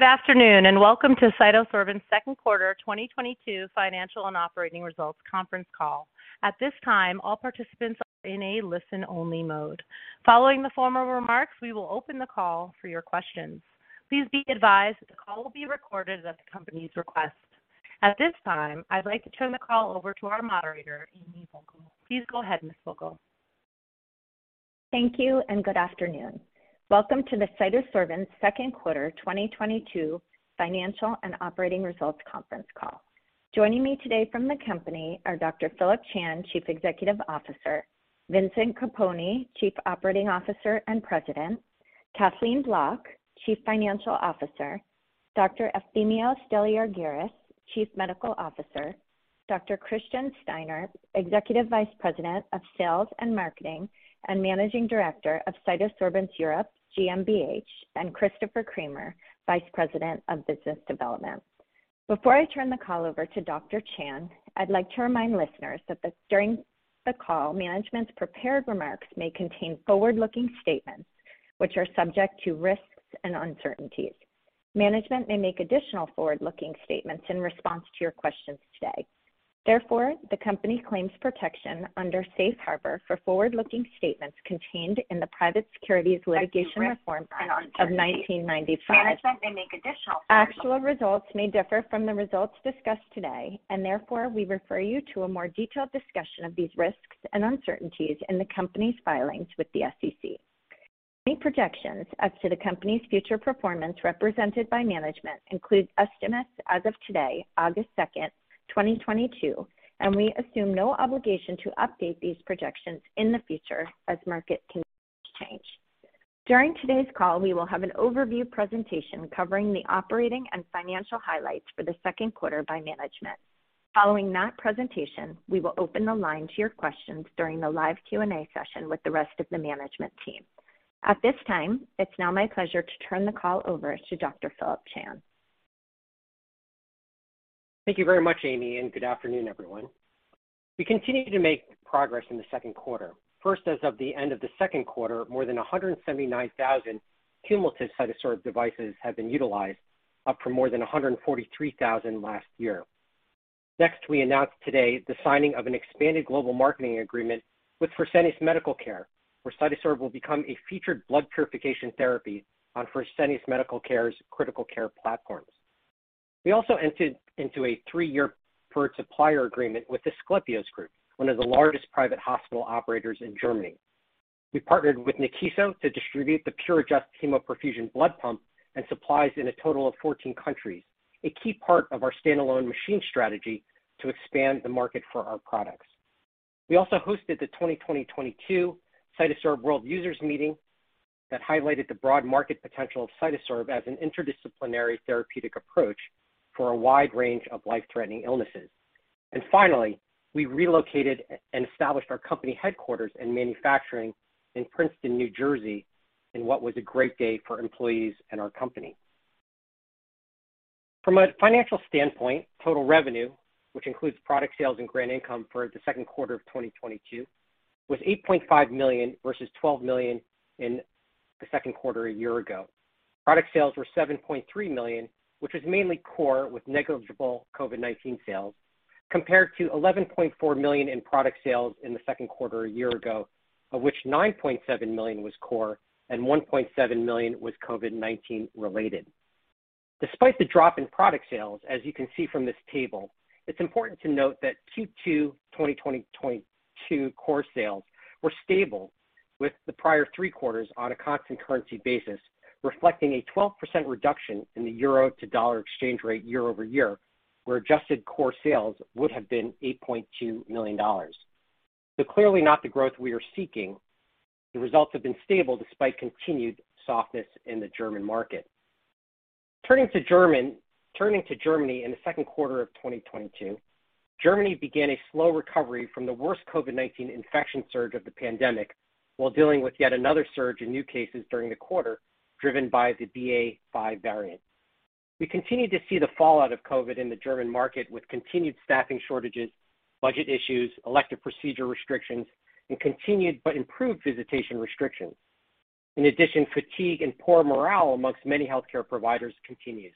Good afternoon, and welcome to CytoSorbents' second quarter 2022 financial and operating results conference call. At this time, all participants are in a listen-only mode. Following the formal remarks, we will open the call for your questions. Please be advised that the call will be recorded at the company's request. At this time, I'd like to turn the call over to our moderator, Amy Vogel. Please go ahead, Ms. Vogel. Thank you and good afternoon. Welcome to the CytoSorbents' second quarter 2022 financial and operating results conference call. Joining me today from the company are Dr. Phillip Chan, Chief Executive Officer, Vincent Capponi, Chief Operating Officer and President, Kathleen Bloch, Chief Financial Officer, Dr. Efthymios Deliargyris, Chief Medical Officer, Dr. Christian Steiner, Executive Vice President of Sales and Marketing and Managing Director of CytoSorbents Europe GmbH, and Christopher Cramer, Vice President of Business Development. Before I turn the call over to Dr. Chan, I'd like to remind listeners that during the call, management's prepared remarks may contain forward-looking statements which are subject to risks and uncertainties. Management may make additional forward-looking statements in response to your questions today. Therefore, the company claims protection under Safe Harbor for forward-looking statements contained in the Private Securities Litigation Reform Act of 1995. Actual results may differ from the results discussed today, and therefore, we refer you to a more detailed discussion of these risks and uncertainties in the company's filings with the SEC. Any projections as to the company's future performance represented by management include estimates as of today, August second, twenty twenty-two, and we assume no obligation to update these projections in the future as markets change. During today's call, we will have an overview presentation covering the operating and financial highlights for the second quarter by management. Following that presentation, we will open the line to your questions during the live Q&A session with the rest of the management team. At this time, it's now my pleasure to turn the call over to Dr. Phillip Chan. Thank you very much, Amy, and good afternoon, everyone. We continue to make progress in the second quarter. First, as of the end of the second quarter, more than 179,000 cumulative CytoSorb devices have been utilized, up from more than 143,000 last year. Next, we announced today the signing of an expanded global marketing agreement with Fresenius Medical Care, where CytoSorb will become a featured blood purification therapy on Fresenius Medical Care's critical care platforms. We also entered into a three-year per supplier agreement with Asklepios Kliniken, one of the largest private hospital operators in Germany. We partnered with Nikkiso to distribute the PuriFi Hemoperfusion blood pump and supplies in a total of 14 countries, a key part of our standalone machine strategy to expand the market for our products. We also hosted the 2022 CytoSorb World Users' Meeting that highlighted the broad market potential of CytoSorb as an interdisciplinary therapeutic approach for a wide range of life-threatening illnesses. Finally, we relocated and established our company headquarters and manufacturing in Princeton, New Jersey, in what was a great day for employees and our company. From a financial standpoint, total revenue, which includes product sales and grant income for the second quarter of 2022, was $8.5 million versus $12 million in the second quarter a year ago. Product sales were $7.3 million, which was mainly core with negligible COVID-19 sales, compared to $11.4 million in product sales in the second quarter a year ago, of which $9.7 million was core and $1.7 million was COVID-19 related. Despite the drop in product sales, as you can see from this table, it's important to note that Q2 2022 core sales were stable with the prior three quarters on a constant currency basis, reflecting a 12% reduction in the euro to dollar exchange rate year-over-year, where adjusted core sales would have been $8.2 million. Clearly not the growth we are seeking, the results have been stable despite continued softness in the German market. Turning to Germany in the second quarter of 2022, Germany began a slow recovery from the worst COVID-19 infection surge of the pandemic while dealing with yet another surge in new cases during the quarter, driven by the BA.5 variant. We continued to see the fallout of COVID in the German market with continued staffing shortages, budget issues, elective procedure restrictions, and continued but improved visitation restrictions. In addition, fatigue and poor morale among many healthcare providers continues.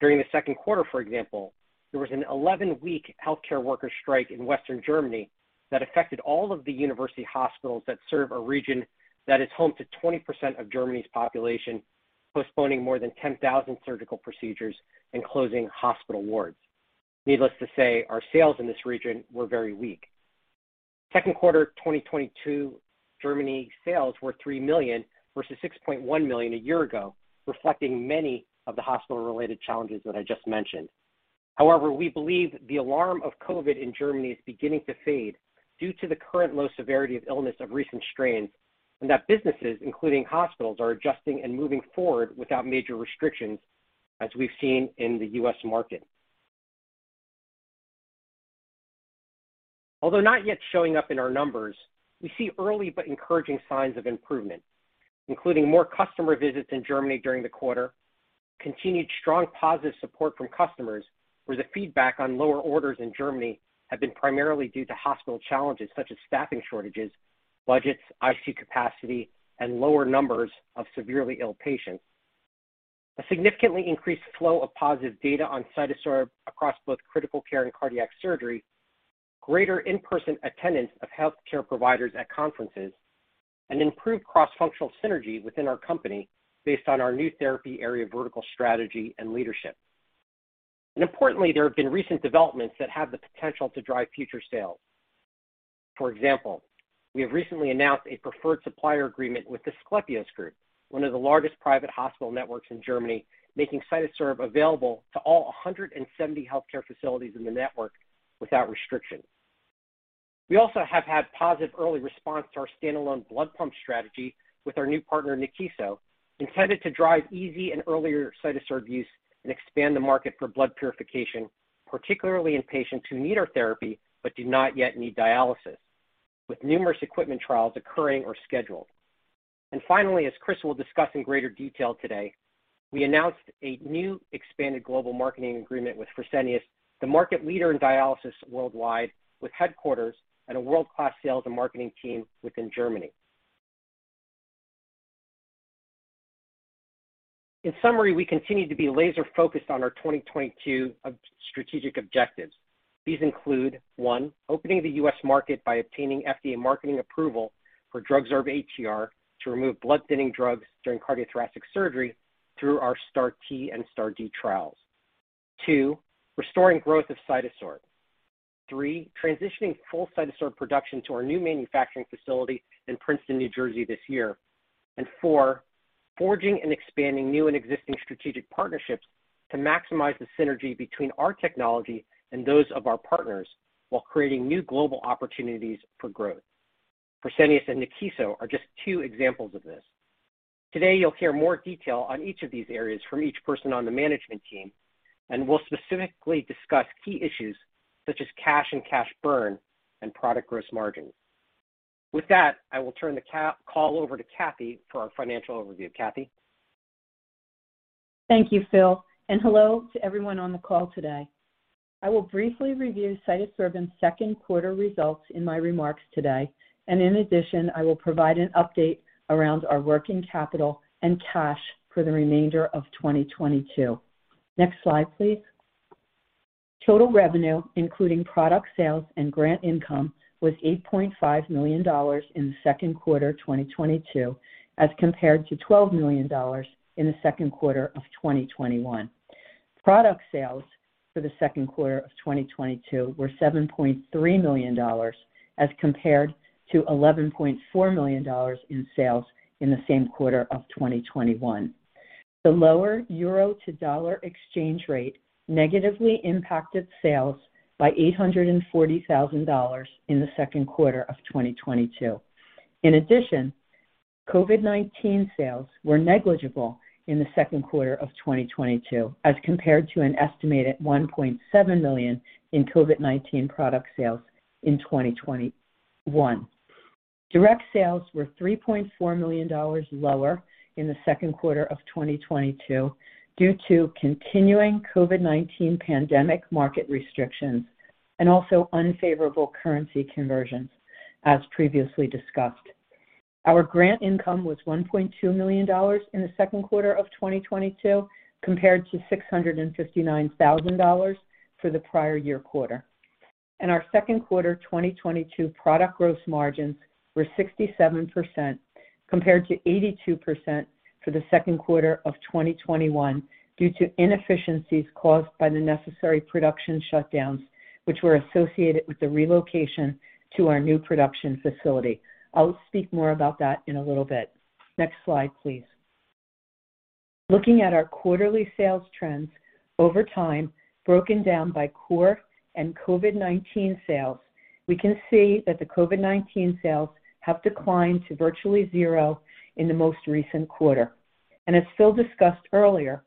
During the second quarter, for example, there was an 11-week healthcare worker strike in Western Germany that affected all of the university hospitals that serve a region that is home to 20% of Germany's population, postponing more than 10,000 surgical procedures and closing hospital wards. Needless to say, our sales in this region were very weak. Second quarter 2022 Germany sales were $3 million versus $6.1 million a year ago, reflecting many of the hospital-related challenges that I just mentioned. However, we believe the alarm of COVID in Germany is beginning to fade due to the current low severity of illness of recent strains, and that businesses, including hospitals, are adjusting and moving forward without major restrictions as we've seen in the U.S. market. Although not yet showing up in our numbers, we see early but encouraging signs of improvement, including more customer visits in Germany during the quarter, continued strong positive support from customers, where the feedback on lower orders in Germany have been primarily due to hospital challenges such as staffing shortages, budgets, ICU capacity, and lower numbers of severely ill patients. A significantly increased flow of positive data on CytoSorb across both critical care and cardiac surgery, greater in-person attendance of healthcare providers at conferences, and improved cross-functional synergy within our company based on our new therapy area vertical strategy and leadership. Importantly, there have been recent developments that have the potential to drive future sales. For example, we have recently announced a preferred supplier agreement with Asklepios Kliniken, one of the largest private hospital networks in Germany, making CytoSorb available to all 170 healthcare facilities in the network without restriction. We also have had positive early response to our standalone blood pump strategy with our new partner, Nikkiso, intended to drive easy and earlier CytoSorb use and expand the market for blood purification, particularly in patients who need our therapy but do not yet need dialysis, with numerous equipment trials occurring or scheduled. Finally, as Chris will discuss in greater detail today, we announced a new expanded global marketing agreement with Fresenius Medical Care, the market leader in dialysis worldwide, with headquarters and a world-class sales and marketing team within Germany. In summary, we continue to be laser focused on our 2022 strategic objectives. These include, one, opening the U.S. market by obtaining FDA marketing approval for DrugSorb ATR to remove blood thinning drugs during cardiothoracic surgery through our STAR-T and STAR-D trials. Two, restoring growth of CytoSorb. Three, transitioning full CytoSorb production to our new manufacturing facility in Princeton, New Jersey this year. And four, forging and expanding new and existing strategic partnerships to maximize the synergy between our technology and those of our partners while creating new global opportunities for growth. Fresenius and Nikkiso are just two examples of this. Today, you'll hear more detail on each of these areas from each person on the management team, and we'll specifically discuss key issues such as cash and cash burn and product gross margin. With that, I will turn the call over to Kathleen for our financial overview. Kathleen? Thank you, Phil, and hello to everyone on the call today. I will briefly review CytoSorbents' second quarter results in my remarks today. In addition, I will provide an update around our working capital and cash for the remainder of 2022. Next slide, please. Total revenue, including product sales and grant income, was $8.5 million in the second quarter of 2022, as compared to $12 million in the second quarter of 2021. Product sales for the second quarter of 2022 were $7.3 million, as compared to $11.4 million in sales in the same quarter of 2021. The lower euro to dollar exchange rate negatively impacted sales by $840,000 in the second quarter of 2022. In addition, COVID-19 sales were negligible in the second quarter of 2022, as compared to an estimated $1.7 million in COVID-19 product sales in 2021. Direct sales were $3.4 million lower in the second quarter of 2022 due to continuing COVID-19 pandemic market restrictions and also unfavorable currency conversions, as previously discussed. Our grant income was $1.2 million in the second quarter of 2022 compared to $659,000 for the prior year quarter. Our second quarter 2022 product gross margins were 67% compared to 82% for the second quarter of 2021 due to inefficiencies caused by the necessary production shutdowns, which were associated with the relocation to our new production facility. I'll speak more about that in a little bit. Next slide, please. Looking at our quarterly sales trends over time, broken down by core and COVID-19 sales, we can see that the COVID-19 sales have declined to virtually zero in the most recent quarter. As Phil discussed earlier,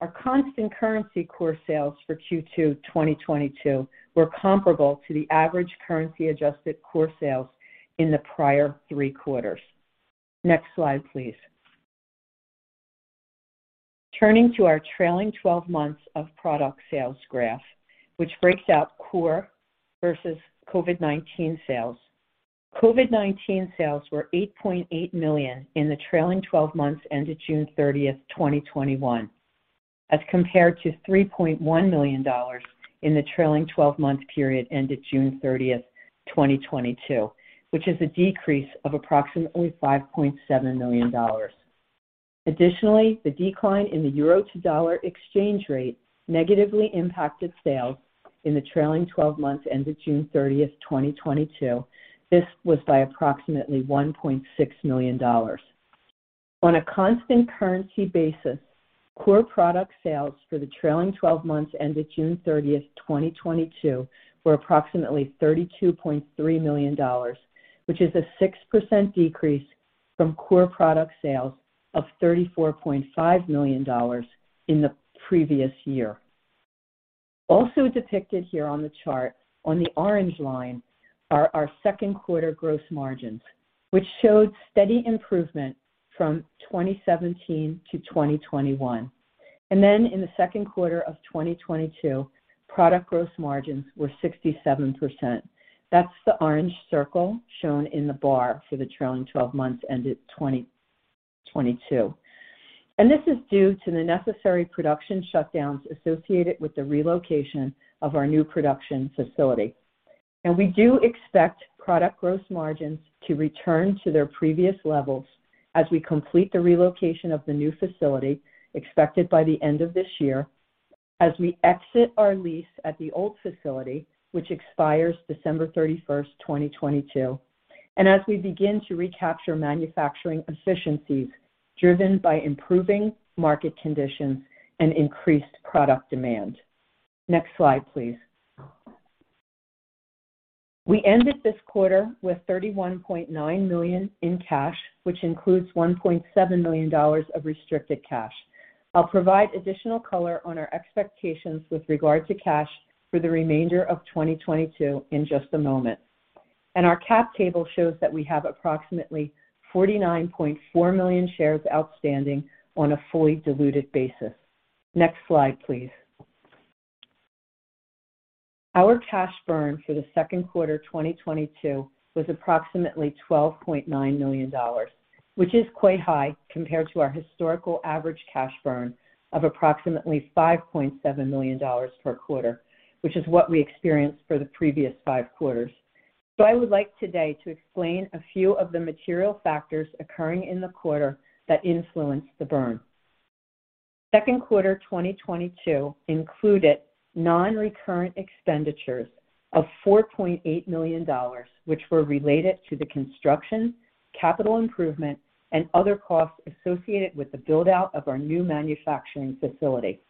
our constant currency core sales for Q2 2022 were comparable to the average currency adjusted core sales in the prior three quarters. Next slide, please. Turning to our trailing twelve months of product sales graph, which breaks out core versus COVID-19 sales. COVID-19 sales were $8.8 million in the trailing twelve months ended June 30, 2021, as compared to $3.1 million in the trailing twelve-month period ended June 30, 2022, which is a decrease of approximately $5.7 million. Additionally, the decline in the euro to dollar exchange rate negatively impacted sales in the trailing 12 months ended June 30, 2022. This was by approximately $1.6 million. On a constant currency basis, core product sales for the trailing 12 months ended June 30, 2022, were approximately $32.3 million, which is a 6% decrease from core product sales of $34.5 million in the previous year. Also depicted here on the chart on the orange line are our second quarter gross margins, which showed steady improvement from 2017 to 2021. In the second quarter of 2022, product gross margins were 67%. That's the orange circle shown in the bar for the trailing twelve months ended 2022. This is due to the necessary production shutdowns associated with the relocation of our new production facility. We do expect product gross margins to return to their previous levels as we complete the relocation of the new facility expected by the end of this year, as we exit our lease at the old facility, which expires December 31, 2022, and as we begin to recapture manufacturing efficiencies driven by improving market conditions and increased product demand. Next slide, please. We ended this quarter with $31.9 million in cash, which includes $1.7 million of restricted cash. I'll provide additional color on our expectations with regard to cash for the remainder of 2022 in just a moment. Our cap table shows that we have approximately 49.4 million shares outstanding on a fully diluted basis. Next slide, please. Our cash burn for the second quarter 2022 was approximately $12.9 million, which is quite high compared to our historical average cash burn of approximately $5.7 million per quarter, which is what we experienced for the previous five quarters. I would like today to explain a few of the material factors occurring in the quarter that influenced the burn. Second quarter 2022 included non-recurrent expenditures of $4.8 million, which were related to the construction, capital improvement, and other costs associated with the build-out of our new manufacturing facility.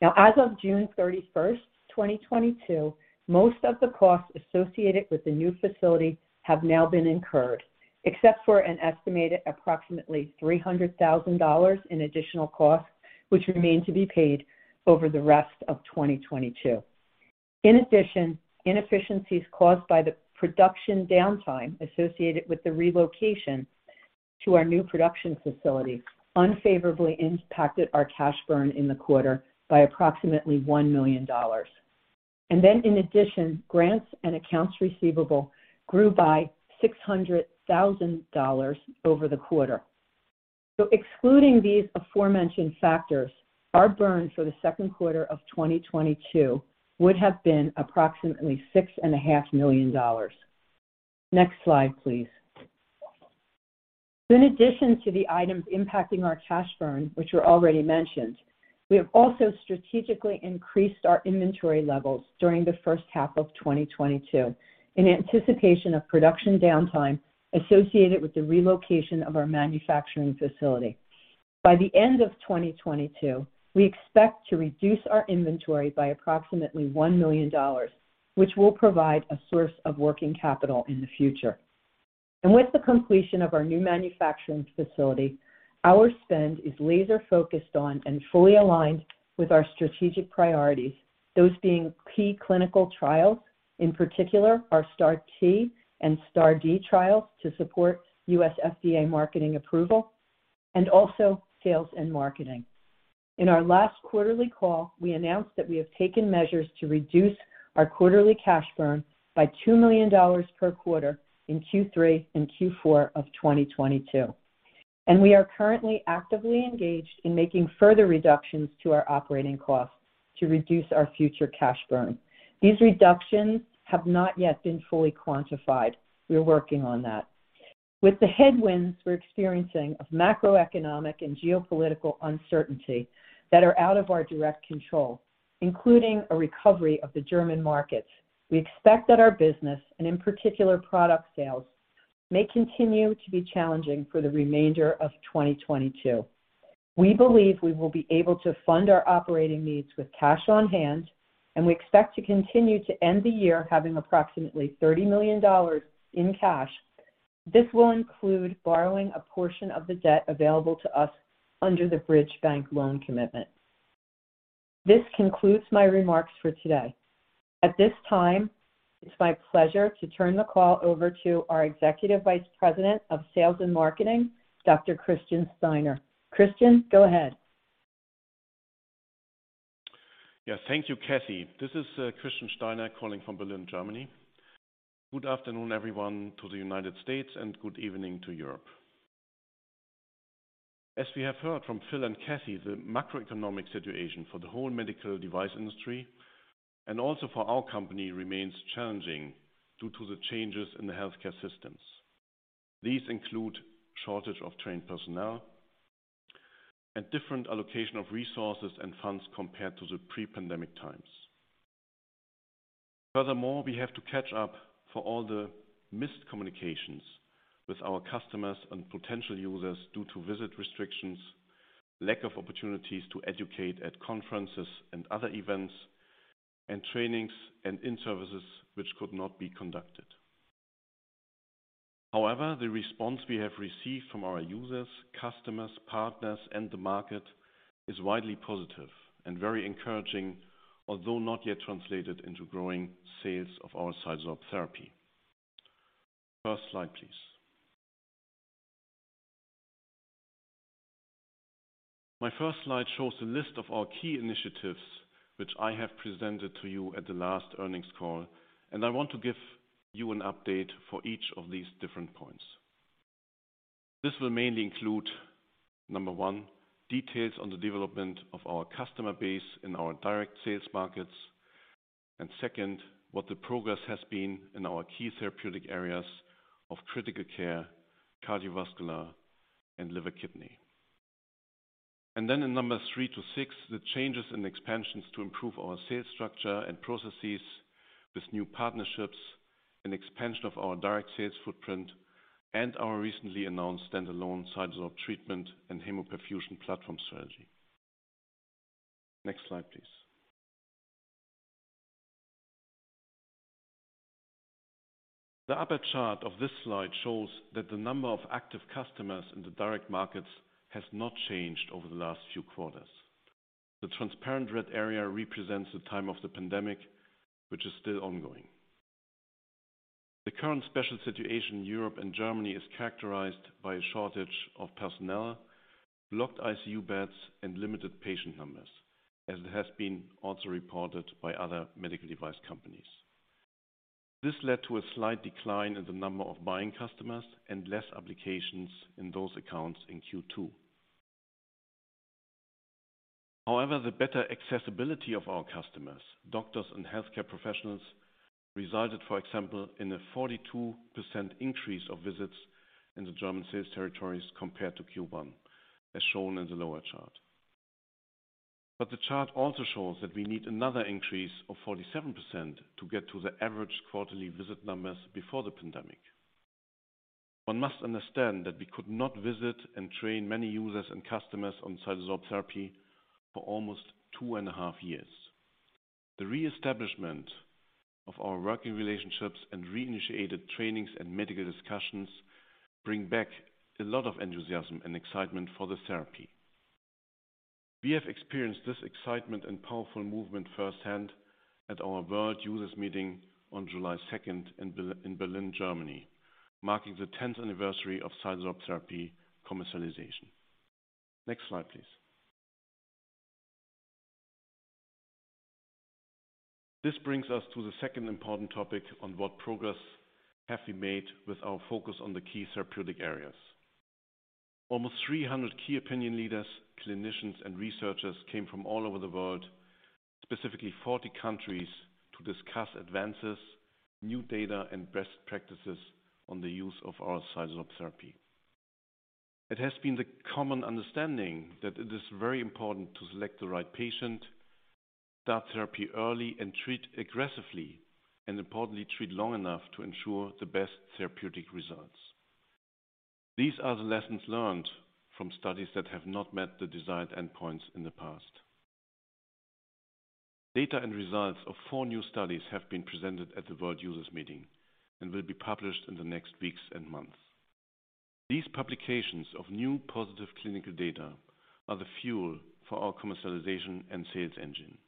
Now, as of June 31, 2022, most of the costs associated with the new facility have now been incurred, except for an estimated approximately $300,000 in additional costs, which remain to be paid over the rest of 2022. In addition, inefficiencies caused by the production downtime associated with the relocation to our new production facility unfavorably impacted our cash burn in the quarter by approximately $1 million. In addition, grants and accounts receivable grew by $600 thousand over the quarter. Excluding these aforementioned factors, our burn for the second quarter of 2022 would have been approximately $6.5 million. Next slide, please. In addition to the items impacting our cash burn, which were already mentioned, we have also strategically increased our inventory levels during the H1 of 2022 in anticipation of production downtime associated with the relocation of our manufacturing facility. By the end of 2022, we expect to reduce our inventory by approximately $1 million, which will provide a source of working capital in the future. With the completion of our new manufacturing facility, our spend is laser-focused on and fully aligned with our strategic priorities, those being key clinical trials, in particular, our STAR-D and STAR-T trials to support U.S. FDA marketing approval, and also sales and marketing. In our last quarterly call, we announced that we have taken measures to reduce our quarterly cash burn by $2 million per quarter in Q3 and Q4 of 2022. We are currently actively engaged in making further reductions to our operating costs to reduce our future cash burn. These reductions have not yet been fully quantified. We're working on that. With the headwinds we're experiencing of macroeconomic and geopolitical uncertainty that are out of our direct control, including a recovery of the German markets, we expect that our business, and in particular product sales, may continue to be challenging for the remainder of 2022. We believe we will be able to fund our operating needs with cash on-hand, and we expect to continue to end the year having approximately $30 million in cash. This will include borrowing a portion of the debt available to us under the Bridge Bank loan commitment. This concludes my remarks for today. At this time, it's my pleasure to turn the call over to our Executive Vice President of Sales and Marketing, Dr. Christian Steiner. Christian, go ahead. Yes. Thank you, Kathleen. This is Christian Steiner calling from Berlin, Germany. Good afternoon, everyone, to the United States, and good evening to Europe. As we have heard from Phillip and Kathleen, the macroeconomic situation for the whole medical device industry and also for our company remains challenging due to the changes in the healthcare systems. These include shortage of trained personnel and different allocation of resources and funds compared to the pre-pandemic times. Furthermore, we have to catch up for all the missed communications with our customers and potential users due to visit restrictions, lack of opportunities to educate at conferences and other events, and trainings and in-services which could not be conducted. However, the response we have received from our users, customers, partners, and the market is widely positive and very encouraging, although not yet translated into growing sales of our CytoSorb therapy. First slide, please. My first slide shows a list of our key initiatives which I have presented to you at the last earnings call, and I want to give you an update for each of these different points. This will mainly include, number one, details on the development of our customer base in our direct sales markets, and second, what the progress has been in our key therapeutic areas of critical care, cardiovascular, and liver kidney. In numbers three to six, the changes in expansions to improve our sales structure and processes with new partnerships and expansion of our direct sales footprint and our recently announced standalone site of treatment and hemoperfusion platform strategy. Next slide, please. The upper chart of this slide shows that the number of active customers in the direct markets has not changed over the last few quarters. The transparent red area represents the time of the pandemic, which is still ongoing. The current special situation in Europe and Germany is characterized by a shortage of personnel, blocked ICU beds and limited patient numbers, as it has been also reported by other medical device companies. This led to a slight decline in the number of buying customers and less applications in those accounts in Q2. However, the better accessibility of our customers, doctors and healthcare professionals, resulted, for example, in a 42% increase of visits in the German sales territories compared to Q1, as shown in the lower chart. The chart also shows that we need another increase of 47% to get to the average quarterly visit numbers before the pandemic. One must understand that we could not visit and train many users and customers on CytoSorb therapy for almost two and a half years. The reestablishment of our working relationships and reinitiated trainings and medical discussions bring back a lot of enthusiasm and excitement for the therapy. We have experienced this excitement and powerful movement firsthand at our World Users Meeting on July second in Berlin, Germany, marking the tenth anniversary of CytoSorb therapy commercialization. Next slide, please. This brings us to the second important topic on what progress have we made with our focus on the key therapeutic areas. Almost 300 key opinion leaders, clinicians and researchers came from all over the world, specifically 40 countries, to discuss advances, new data and best practices on the use of our CytoSorb therapy. It has been the common understanding that it is very important to select the right patient, start therapy early and treat aggressively, and importantly, treat long enough to ensure the best therapeutic results. These are the lessons learned from studies that have not met the desired endpoints in the past. Data and results of four new studies have been presented at the World Users Meeting and will be published in the next weeks and months. These publications of new positive clinical data are the fuel for our commercialization and sales engine.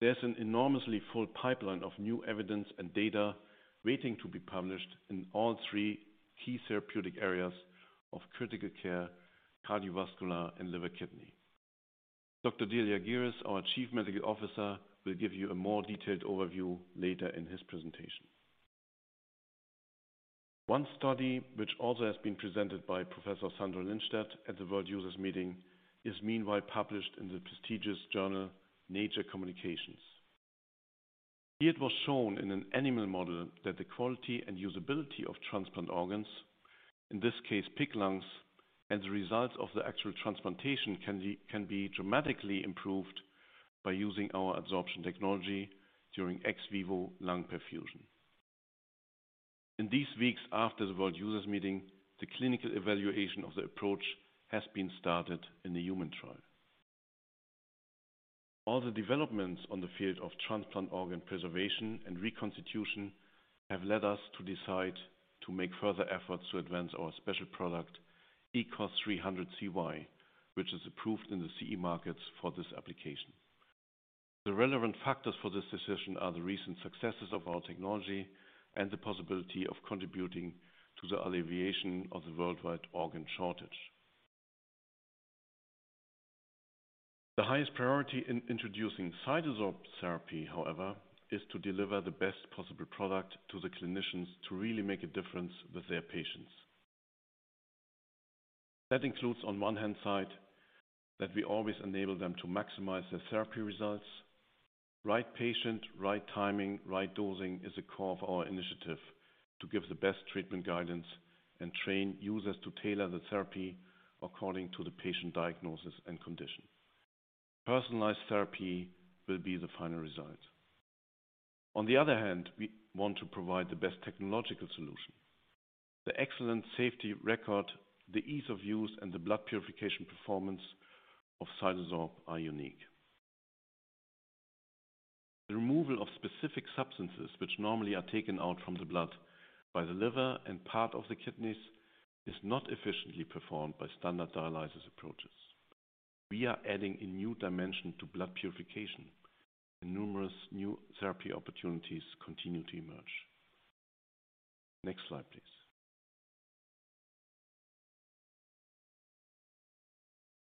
There's an enormously full pipeline of new evidence and data waiting to be published in all three key therapeutic areas of critical care, cardiovascular, and liver kidney. Dr. Efthymios Deliargyris, our Chief Medical Officer, will give you a more detailed overview later in his presentation. One study, which also has been presented by Professor Sándor Lindstedt at the World Users Meeting, is meanwhile published in the prestigious journal Nature Communications. Here it was shown in an animal model that the quality and usability of transplant organs, in this case pig lungs, and the results of the actual transplantation can be dramatically improved by using our adsorption technology during ex vivo lung perfusion. In these weeks after the World Users' Meeting, the clinical evaluation of the approach has been started in the human trial. All the developments on the field of transplant organ preservation and reconstitution have led us to decide to make further efforts to advance our special product, ECOS-300CY, which is approved in the CE markets for this application. The relevant factors for this decision are the recent successes of our technology and the possibility of contributing to the alleviation of the worldwide organ shortage. The highest priority in introducing CytoSorb therapy, however, is to deliver the best possible product to the clinicians to really make a difference with their patients. That includes on one hand side that we always enable them to maximize their therapy results. Right patient, right timing, right dosing is the core of our initiative to give the best treatment guidance and train users to tailor the therapy according to the patient diagnosis and condition. Personalized therapy will be the final result. On the other hand, we want to provide the best technological solution. The excellent safety record, the ease of use, and the blood purification performance of CytoSorb are unique. The removal of specific substances which normally are taken out from the blood by the liver and part of the kidneys, is not efficiently performed by standard dialysis approaches. We are adding a new dimension to blood purification, and numerous new therapy opportunities continue to emerge. Next slide, please.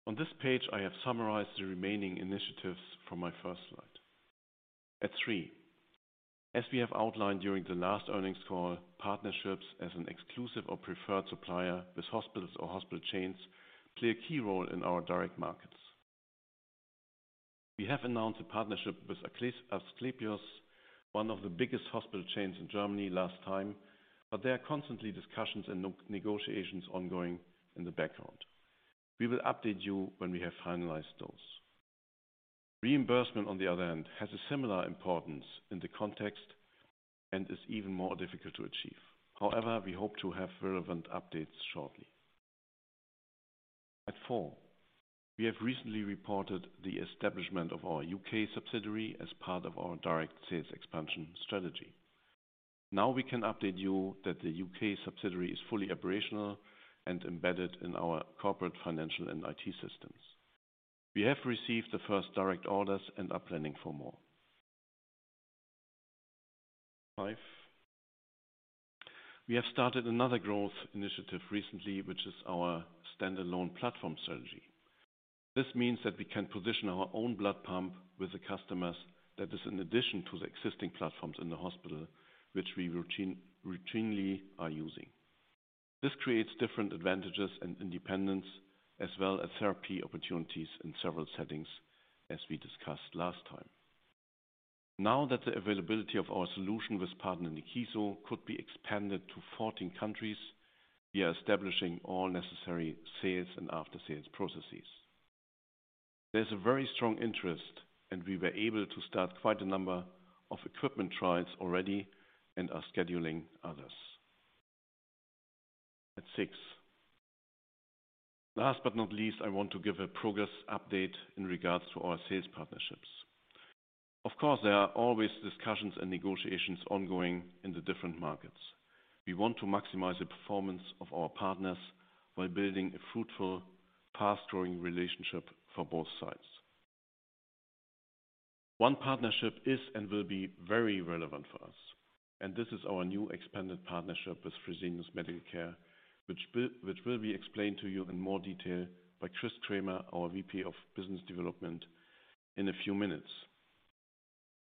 On this page, I have summarized the remaining initiatives from my first slide. At three, as we have outlined during the last earnings call, partnerships as an exclusive or preferred supplier with hospitals or hospital chains play a key role in our direct markets. We have announced a partnership with Asklepios, one of the biggest hospital chains in Germany last time, but there are constantly discussions and negotiations ongoing in the background. We will update you when we have finalized those. Reimbursement, on the other hand, has a similar importance in the context and is even more difficult to achieve. However, we hope to have relevant updates shortly. At four, we have recently reported the establishment of our UK subsidiary as part of our direct sales expansion strategy. Now we can update you that the UK subsidiary is fully operational and embedded in our corporate financial and IT systems. We have received the first direct orders and are planning for more. Five, we have started another growth initiative recently, which is our standalone platform strategy. This means that we can position our own blood pump with the customers that is in addition to the existing platforms in the hospital, which we routinely are using. This creates different advantages and independence as well as therapy opportunities in several settings, as we discussed last time. Now that the availability of our solution with partner Nikkiso could be expanded to 14 countries, we are establishing all necessary sales and after-sales processes. There's a very strong interest, and we were able to start quite a number of equipment trials already and are scheduling others. At six Last but not least, I want to give a progress update in regards to our sales partnerships. Of course, there are always discussions and negotiations ongoing in the different markets. We want to maximize the performance of our partners while building a fruitful, fast-growing relationship for both sides. One partnership is and will be very relevant for us, and this is our new expanded partnership with Fresenius Medical Care, which will be explained to you in more detail by Chris Cramer, our VP of Business Development, in a few minutes.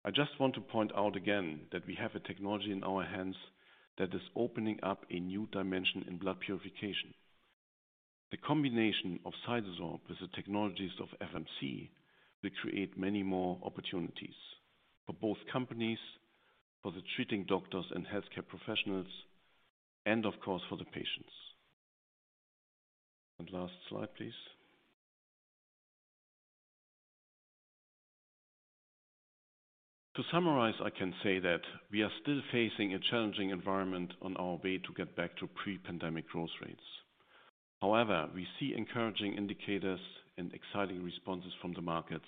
I just want to point out again that we have a technology in our hands that is opening up a new dimension in blood purification. The combination of CytoSorb with the technologies of FMC will create many more opportunities for both companies, for the treating doctors and healthcare professionals, and of course, for the patients. Last slide, please. To summarize, I can say that we are still facing a challenging environment on our way to get back to pre-pandemic growth rates. However, we see encouraging indicators and exciting responses from the markets,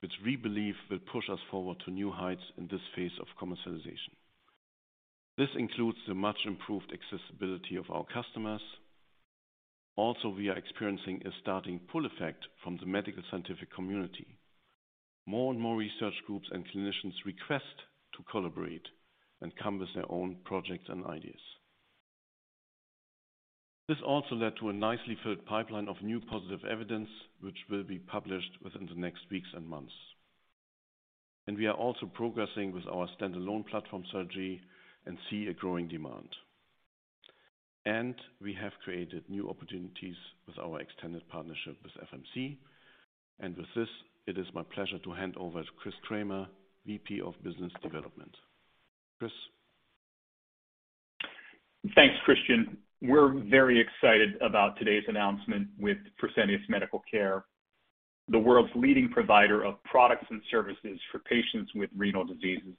which we believe will push us forward to new heights in this phase of commercialization. This includes the much improved accessibility of our customers. Also, we are experiencing a starting pull effect from the medical scientific community. More and more research groups and clinicians request to collaborate and come with their own projects and ideas. This also led to a nicely filled pipeline of new positive evidence, which will be published within the next weeks and months. We are also progressing with our standalone platform strategy and see a growing demand. We have created new opportunities with our extended partnership with FMC. With this, it is my pleasure to hand over to Chris Cramer, Vice President of Business Development. Chris. Thanks, Christian. We're very excited about today's announcement with Fresenius Medical Care, the world's leading provider of products and services for patients with renal diseases,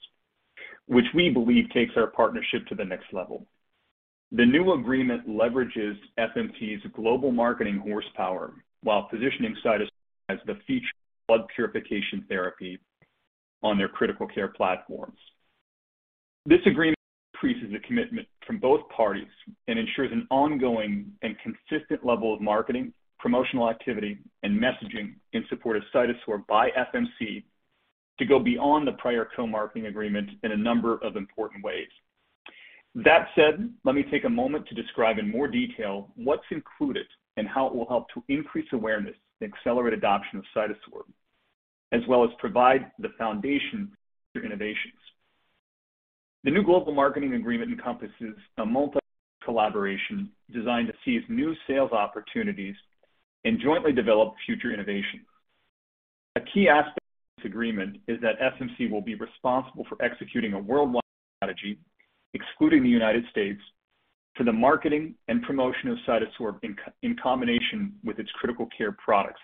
which we believe takes our partnership to the next level. The new agreement leverages FMC's global marketing horsepower while positioning CytoSorb as the featured blood purification therapy on their critical care platforms. This agreement increases the commitment from both parties and ensures an ongoing and consistent level of marketing, promotional activity, and messaging in support of CytoSorb by FMC to go beyond the prior co-marketing agreement in a number of important ways. That said, let me take a moment to describe in more detail what's included and how it will help to increase awareness and accelerate adoption of CytoSorb, as well as provide the foundation for future innovations. The new global marketing agreement encompasses a multi-year collaboration designed to seize new sales opportunities and jointly develop future innovation. A key aspect of this agreement is that FMC will be responsible for executing a worldwide strategy, excluding the United States, for the marketing and promotion of CytoSorb in combination with its critical care products.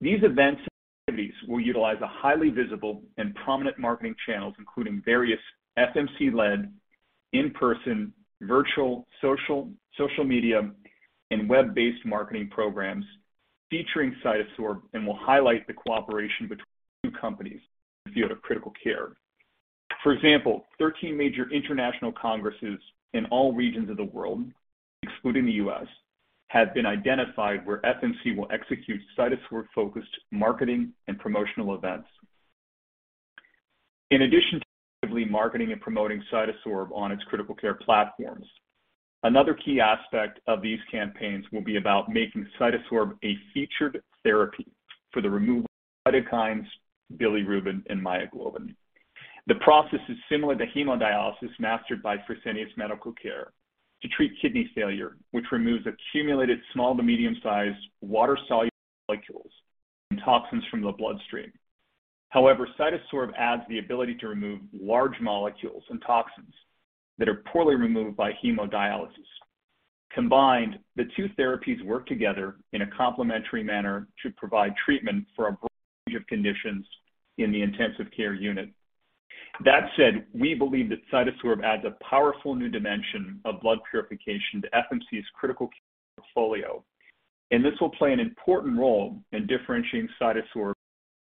These events and activities will utilize a highly visible and prominent marketing channels, including various FMC-led in-person, virtual, social media, and web-based marketing programs featuring CytoSorb and will highlight the cooperation between the two companies in the field of critical care. For example, 13 major international congresses in all regions of the world, excluding the US, have been identified where FMC will execute CytoSorb-focused marketing and promotional events. In addition to actively marketing and promoting CytoSorb on its critical care platforms, another key aspect of these campaigns will be about making CytoSorb a featured therapy for the removal of cytokines, bilirubin, and myoglobin. The process is similar to hemodialysis mastered by Fresenius Medical Care to treat kidney failure, which removes accumulated small to medium-sized water-soluble molecules and toxins from the bloodstream. However, CytoSorb adds the ability to remove large molecules and toxins that are poorly removed by hemodialysis. Combined, the two therapies work together in a complementary manner to provide treatment for a broad range of conditions in the intensive care unit. That said, we believe that CytoSorb adds a powerful new dimension of blood purification to FMC's critical care portfolio, and this will play an important role in differentiating CytoSorb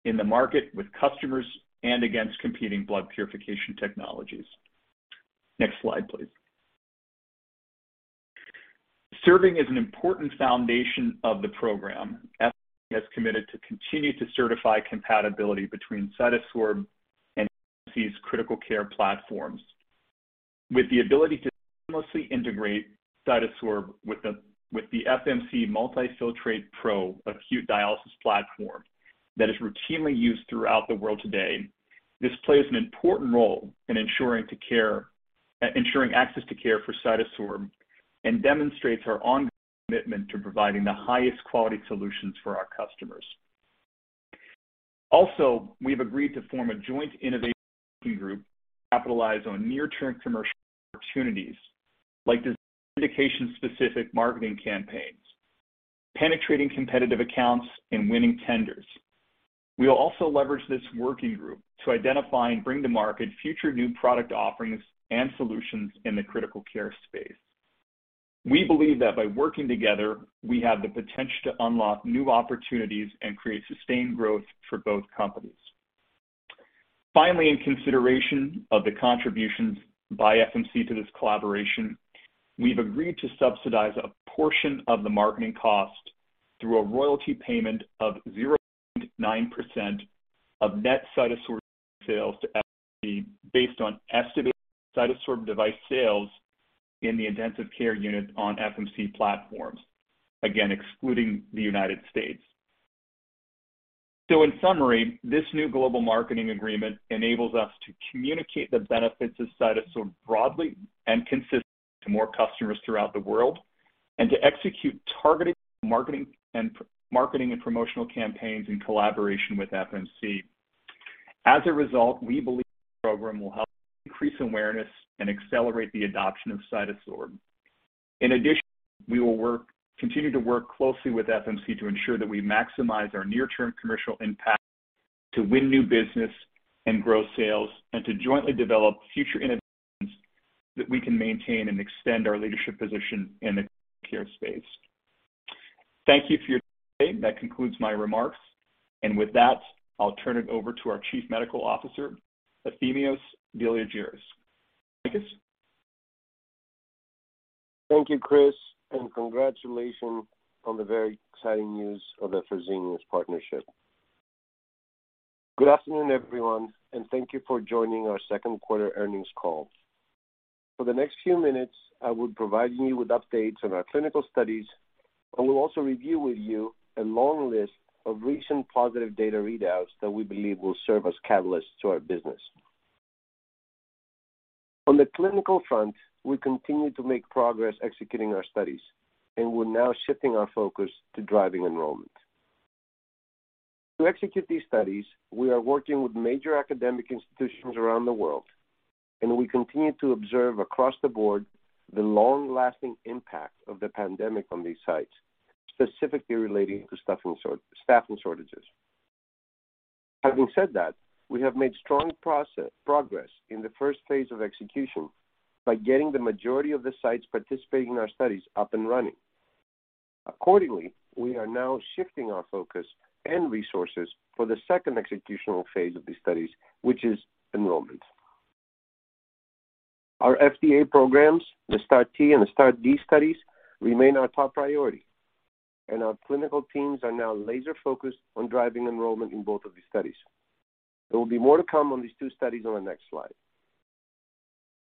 in the market with customers and against competing blood purification technologies. Next slide, please. Serving as an important foundation of the program, FMC has committed to continue to certify compatibility between CytoSorb and FMC's critical care platforms. With the ability to seamlessly integrate CytoSorb with the FMC multiFiltratePRO acute dialysis platform that is routinely used throughout the world today, this plays an important role in ensuring access to care for CytoSorb and demonstrates our ongoing commitment to providing the highest quality solutions for our customers. Also, we've agreed to form a joint innovation working group to capitalize on near-term commercial opportunities like designing indication-specific marketing campaigns, penetrating competitive accounts, and winning tenders. We will also leverage this working group to identify and bring to market future new product offerings and solutions in the critical care space. We believe that by working together, we have the potential to unlock new opportunities and create sustained growth for both companies. Finally, in consideration of the contributions by FMC to this collaboration, we've agreed to subsidize a portion of the marketing cost through a royalty payment of 0.9% of net CytoSorb sales to FMC based on estimated CytoSorb device sales in the intensive care unit on FMC platforms, again, excluding the United States. In summary, this new global marketing agreement enables us to communicate the benefits of CytoSorb broadly and consistently to more customers throughout the world, and to execute targeted marketing and promotional campaigns in collaboration with FMC. As a result, we believe this program will help increase awareness and accelerate the adoption of CytoSorb. In addition, we will continue to work closely with FMC to ensure that we maximize our near-term commercial impact to win new business and grow sales, and to jointly develop future innovations so that we can maintain and extend our leadership position in the critical care space. Thank you for your time today. That concludes my remarks. With that, I'll turn it over to our Chief Medical Officer, Efthymios Deliargyris. Efthymios? Thank you, Chris, and congratulations on the very exciting news of the Fresenius partnership. Good afternoon, everyone, and thank you for joining our second quarter earnings call. For the next few minutes, I will provide you with updates on our clinical studies, and we'll also review with you a long list of recent positive data readouts that we believe will serve as catalysts to our business. On the clinical front, we continue to make progress executing our studies, and we're now shifting our focus to driving enrollment. To execute these studies, we are working with major academic institutions around the world, and we continue to observe across the board the long-lasting impact of the pandemic on these sites, specifically relating to staffing shortages. Having said that, we have made strong progress in the first phase of execution by getting the majority of the sites participating in our studies up and running. Accordingly, we are now shifting our focus and resources for the second executional phase of these studies, which is enrollment. Our FDA programs, the STAR-T and the STAR-D studies, remain our top priority, and our clinical teams are now laser-focused on driving enrollment in both of these studies. There will be more to come on these two studies on the next slide.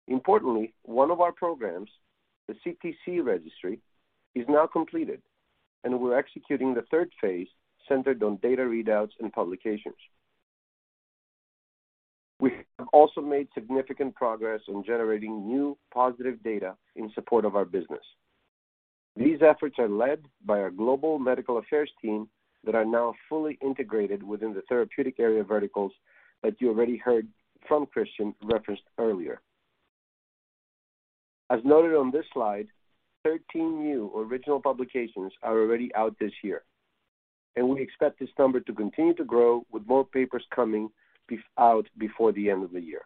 Importantly, one of our programs, the CTC Registry, is now completed, and we're executing the third phase centered on data readouts and publications. We have also made significant progress in generating new positive data in support of our business. These efforts are led by our global medical affairs team that are now fully integrated within the therapeutic area verticals that you already heard from Christian referenced earlier. As noted on this slide, 13 new original publications are already out this year, and we expect this number to continue to grow with more papers coming out before the end of the year.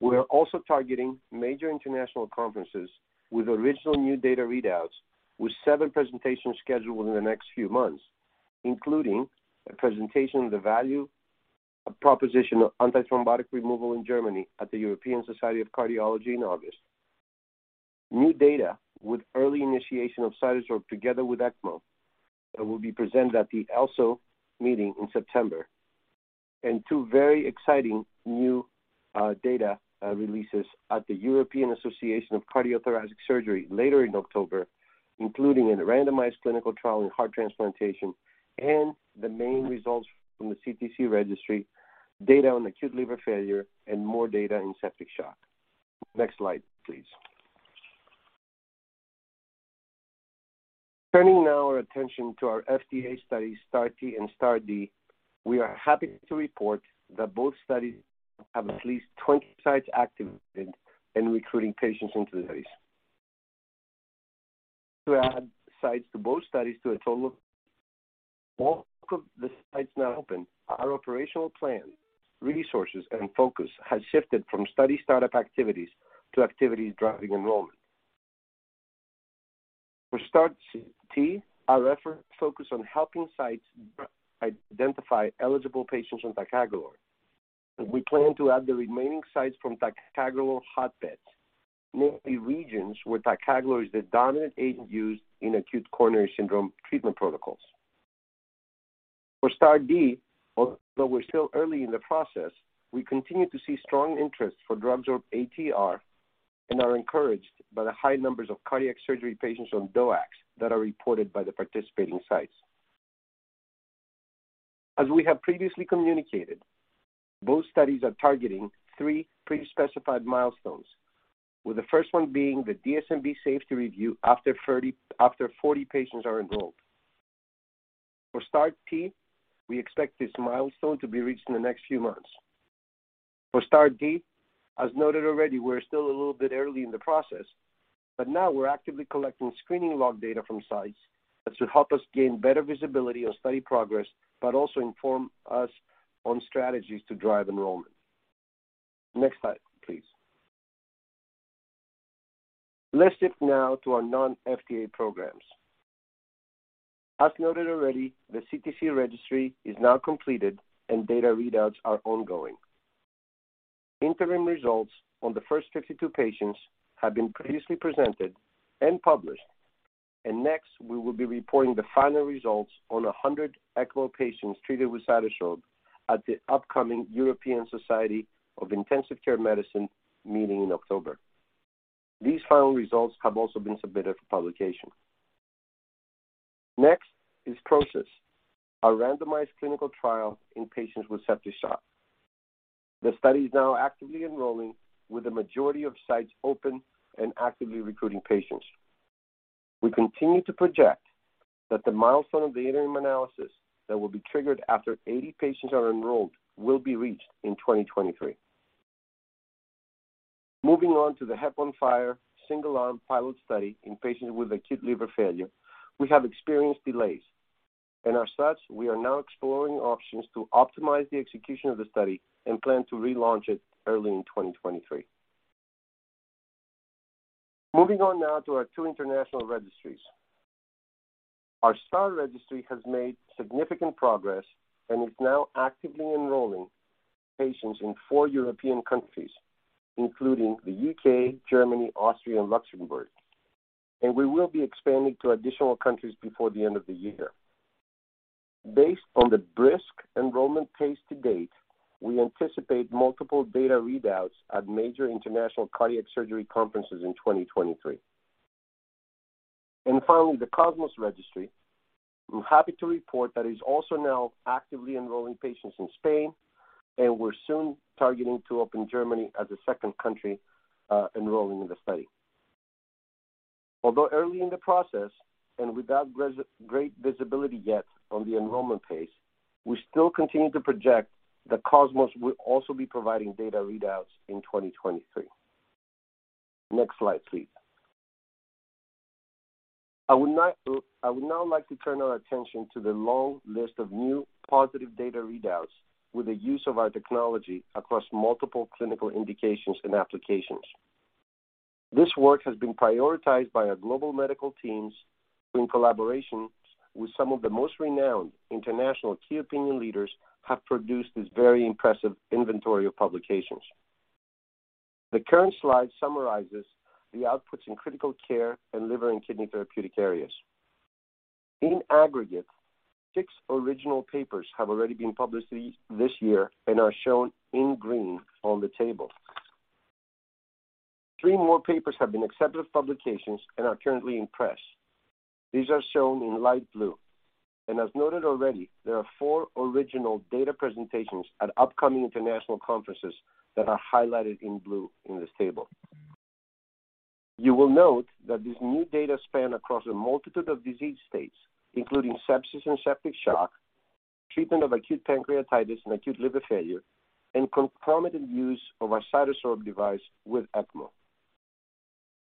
We are also targeting major international conferences with original new data readouts, with seven presentations scheduled within the next few months, including a presentation of the value proposition of antithrombotic removal in Germany at the European Society of Cardiology in August. New data with early initiation of CytoSorb together with ECMO will be presented at the ELSO meeting in September, and two very exciting new data releases at the European Association for Cardio-Thoracic Surgery later in October, including a randomized clinical trial in heart transplantation and the main results from the CTC Registry, data on acute liver failure, and more data in septic shock. Next slide, please. Turning now our attention to our FDA studies, STAR-T and STAR-D, we are happy to report that both studies have at least 20 sites activated and recruiting patients into the studies. All of the sites now open, our operational plan, resources, and focus has shifted from study startup activities to activities driving enrollment. For STAR-T, our effort focus on helping sites identify eligible patients on ticagrelor. We plan to add the remaining sites from ticagrelor hotbeds, namely regions where ticagrelor is the dominant agent used in acute coronary syndrome treatment protocols. For STAR-D, although we're still early in the process, we continue to see strong interest for DrugSorb ATR and are encouraged by the high numbers of cardiac surgery patients on DOACs that are reported by the participating sites. As we have previously communicated, both studies are targeting three pre-specified milestones, with the first one being the DSMB safety review after 40 patients are enrolled. For STAR-T, we expect this milestone to be reached in the next few months. For STAR-D, as noted already, we're still a little bit early in the process, but now we're actively collecting screening log data from sites that should help us gain better visibility on study progress, but also inform us on strategies to drive enrollment. Next slide, please. Let's shift now to our non-FDA programs. As noted already, the CTC Registry is now completed and data readouts are ongoing. Interim results on the first 52 patients have been previously presented and published. Next, we will be reporting the final results on 100 ECMO patients treated with CytoSorb at the upcoming European Society of Intensive Care Medicine meeting in October. These final results have also been submitted for publication. Next is PROCYSS, a randomized clinical trial in patients with septic shock. The study is now actively enrolling with the majority of sites open and actively recruiting patients. We continue to project that the milestone of the interim analysis that will be triggered after 80 patients are enrolled will be reached in 2023. Moving on to the Hep-on-FIRE single-arm pilot study in patients with acute liver failure, we have experienced delays. As such, we are now exploring options to optimize the execution of the study and plan to relaunch it early in 2023. Moving on now to our two international registries. Our STAR registry has made significant progress and is now actively enrolling patients in four European countries, including the U.K., Germany, Austria, and Luxembourg. We will be expanding to additional countries before the end of the year. Based on the brisk enrollment pace to date, we anticipate multiple data readouts at major international cardiac surgery conferences in 2023. Finally, the COSMOS registry. I'm happy to report that it is also now actively enrolling patients in Spain, and we're soon targeting to open Germany as a second country, enrolling in the study. Although early in the process, and without great visibility yet on the enrollment pace, we still continue to project that COSMOS will also be providing data readouts in 2023. Next slide, please. I would now like to turn our attention to the long list of new positive data readouts with the use of our technology across multiple clinical indications and applications. This work has been prioritized by our global medical teams in collaboration with some of the most renowned international key opinion leaders have produced this very impressive inventory of publications. The current slide summarizes the outputs in critical care and liver and kidney therapeutic areas. In aggregate, six original papers have already been published this year and are shown in green on the table. Three more papers have been accepted for publications and are currently in press. These are shown in light blue. As noted already, there are four original data presentations at upcoming international conferences that are highlighted in blue in this table. You will note that these new data span across a multitude of disease states, including sepsis and septic shock, treatment of acute pancreatitis and acute liver failure, and concomitant use of our CytoSorb device with ECMO.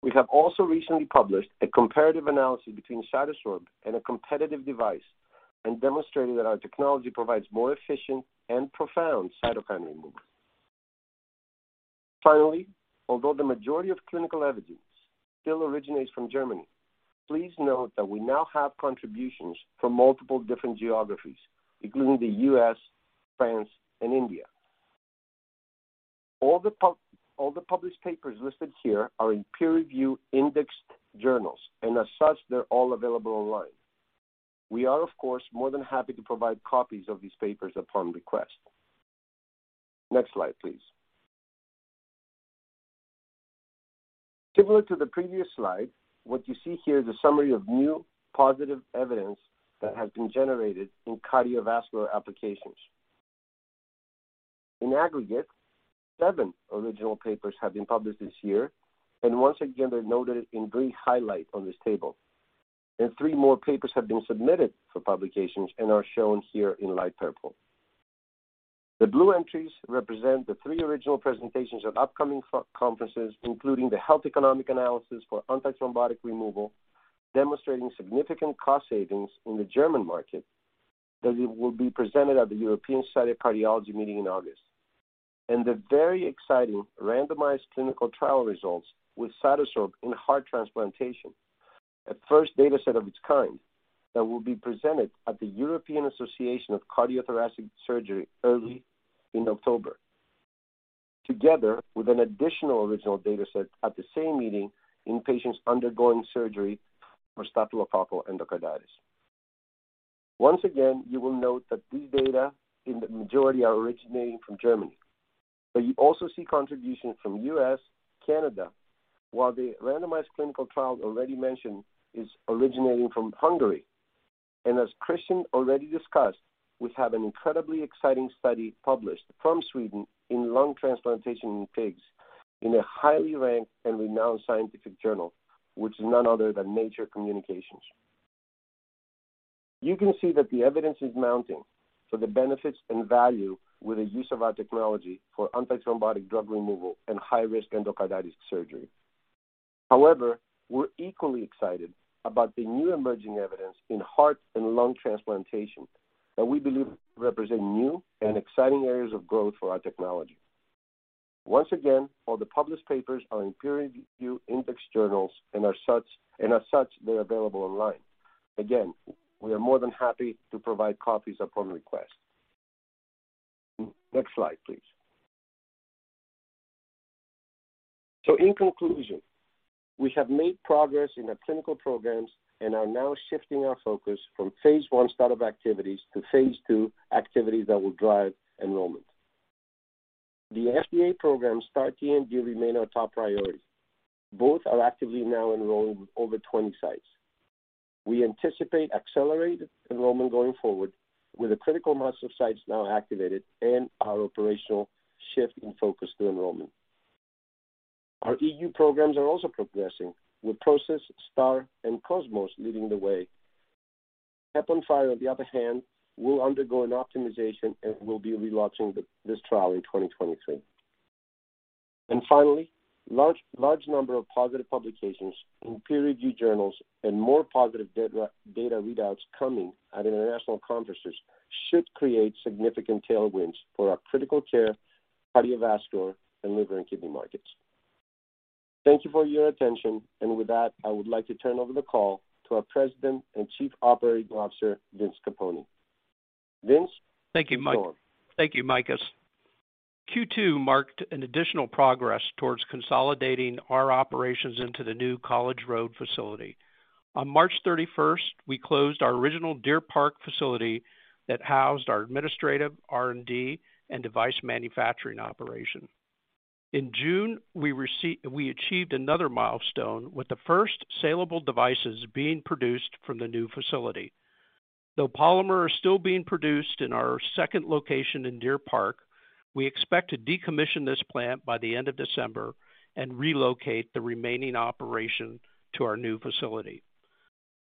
We have also recently published a comparative analysis between CytoSorb and a competitive device and demonstrated that our technology provides more efficient and profound cytokine removal. Finally, although the majority of clinical evidence still originates from Germany, please note that we now have contributions from multiple different geographies, including the U.S., France, and India. All the published papers listed here are in peer-reviewed indexed journals, and as such, they're all available online. We are, of course, more than happy to provide copies of these papers upon request. Next slide, please. Similar to the previous slide, what you see here is a summary of new positive evidence that has been generated in cardiovascular applications. In aggregate, seven original papers have been published this year, and once again, they're noted in green highlight on this table. Three more papers have been submitted for publications and are shown here in light purple. The blue entries represent the three original presentations at upcoming conferences, including the health economic analysis for antithrombotic removal, demonstrating significant cost savings in the German market, that it will be presented at the European Society of Cardiology meeting in August, and the very exciting randomized clinical trial results with CytoSorb in heart transplantation. A first data set of its kind that will be presented at the European Association for Cardio-Thoracic Surgery early in October, together with an additional original data set at the same meeting in patients undergoing surgery for Staphylococcus endocarditis. Once again, you will note that these data in the majority are originating from Germany, but you also see contributions from U.S., Canada, while the randomized clinical trial already mentioned is originating from Hungary. As Christian already discussed, we have an incredibly exciting study published from Sweden in lung transplantation in pigs in a highly ranked and renowned scientific journal, which is none other than Nature Communications. You can see that the evidence is mounting for the benefits and value with the use of our technology for antithrombotic drug removal and high-risk endocarditis surgery. However, we're equally excited about the new emerging evidence in heart and lung transplantation that we believe represent new and exciting areas of growth for our technology. Once again, all the published papers are in peer-review indexed journals and as such, they're available online. Again, we are more than happy to provide copies upon request. Next slide, please. In conclusion, we have made progress in our clinical programs and are now shifting our focus from phase one startup activities to phase II activities that will drive enrollment. The FDA program, STAR-T and D, remain our top priority. Both are actively now enrolled with over 20 sites. We anticipate accelerated enrollment going forward with a critical mass of sites now activated and our operational shift in focus to enrollment. Our EU programs are also progressing, with PROCYSS, STAR, and COSMOS leading the way. Hep-on-FIRE, on the other hand, will undergo an optimization and we'll be relaunching this trial in 2023. Finally, large number of positive publications in peer-reviewed journals and more positive data readouts coming at international conferences should create significant tailwinds for our critical care, cardiovascular, and liver and kidney markets. Thank you for your attention. With that, I would like to turn over the call to our President and Chief Operating Officer, Vince Capponi. Vince, it's yours. Thank you, Makis. Q2 marked an additional progress towards consolidating our operations into the new College Road facility. On March thirty-first, we closed our original Deer Park facility that housed our administrative, R&D, and device manufacturing operation. In June, we achieved another milestone with the first saleable devices being produced from the new facility. Though polymer is still being produced in our second location in Deer Park, we expect to decommission this plant by the end of December and relocate the remaining operation to our new facility.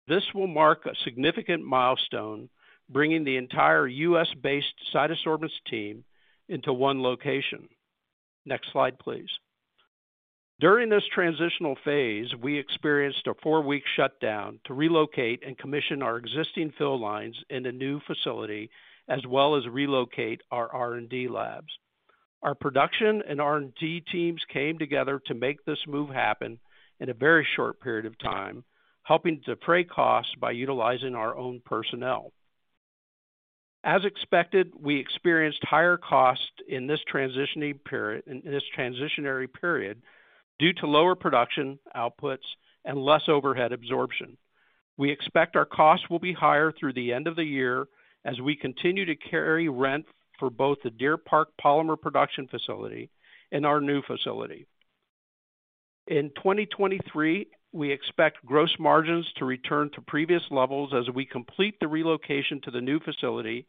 This will mark a significant milestone, bringing the entire U.S.-based CytoSorbents team into one location. Next slide, please. During this transitional phase, we experienced a four-week shutdown to relocate and commission our existing fill lines in a new facility, as well as relocate our R&D labs. Our production and R&D teams came together to make this move happen in a very short period of time, helping to pare costs by utilizing our own personnel. As expected, we experienced higher costs in this transitional period due to lower production outputs and less overhead absorption. We expect our costs will be higher through the end of the year as we continue to carry rent for both the Deer Park polymer production facility and our new facility. In 2023, we expect gross margins to return to previous levels as we complete the relocation to the new facility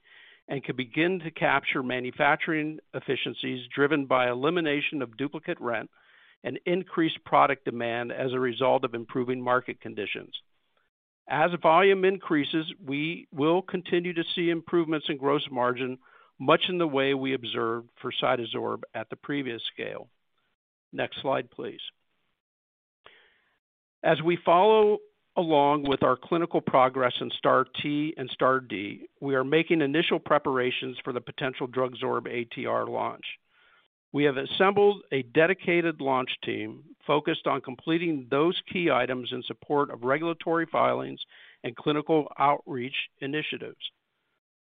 and can begin to capture manufacturing efficiencies driven by elimination of duplicate rent and increased product demand as a result of improving market conditions. As volume increases, we will continue to see improvements in gross margin, much in the way we observed for CytoSorb at the previous scale. Next slide, please. As we follow along with our clinical progress in STAR-T and STAR-D, we are making initial preparations for the potential DrugSorb-ATR launch. We have assembled a dedicated launch team focused on completing those key items in support of regulatory filings and clinical outreach initiatives.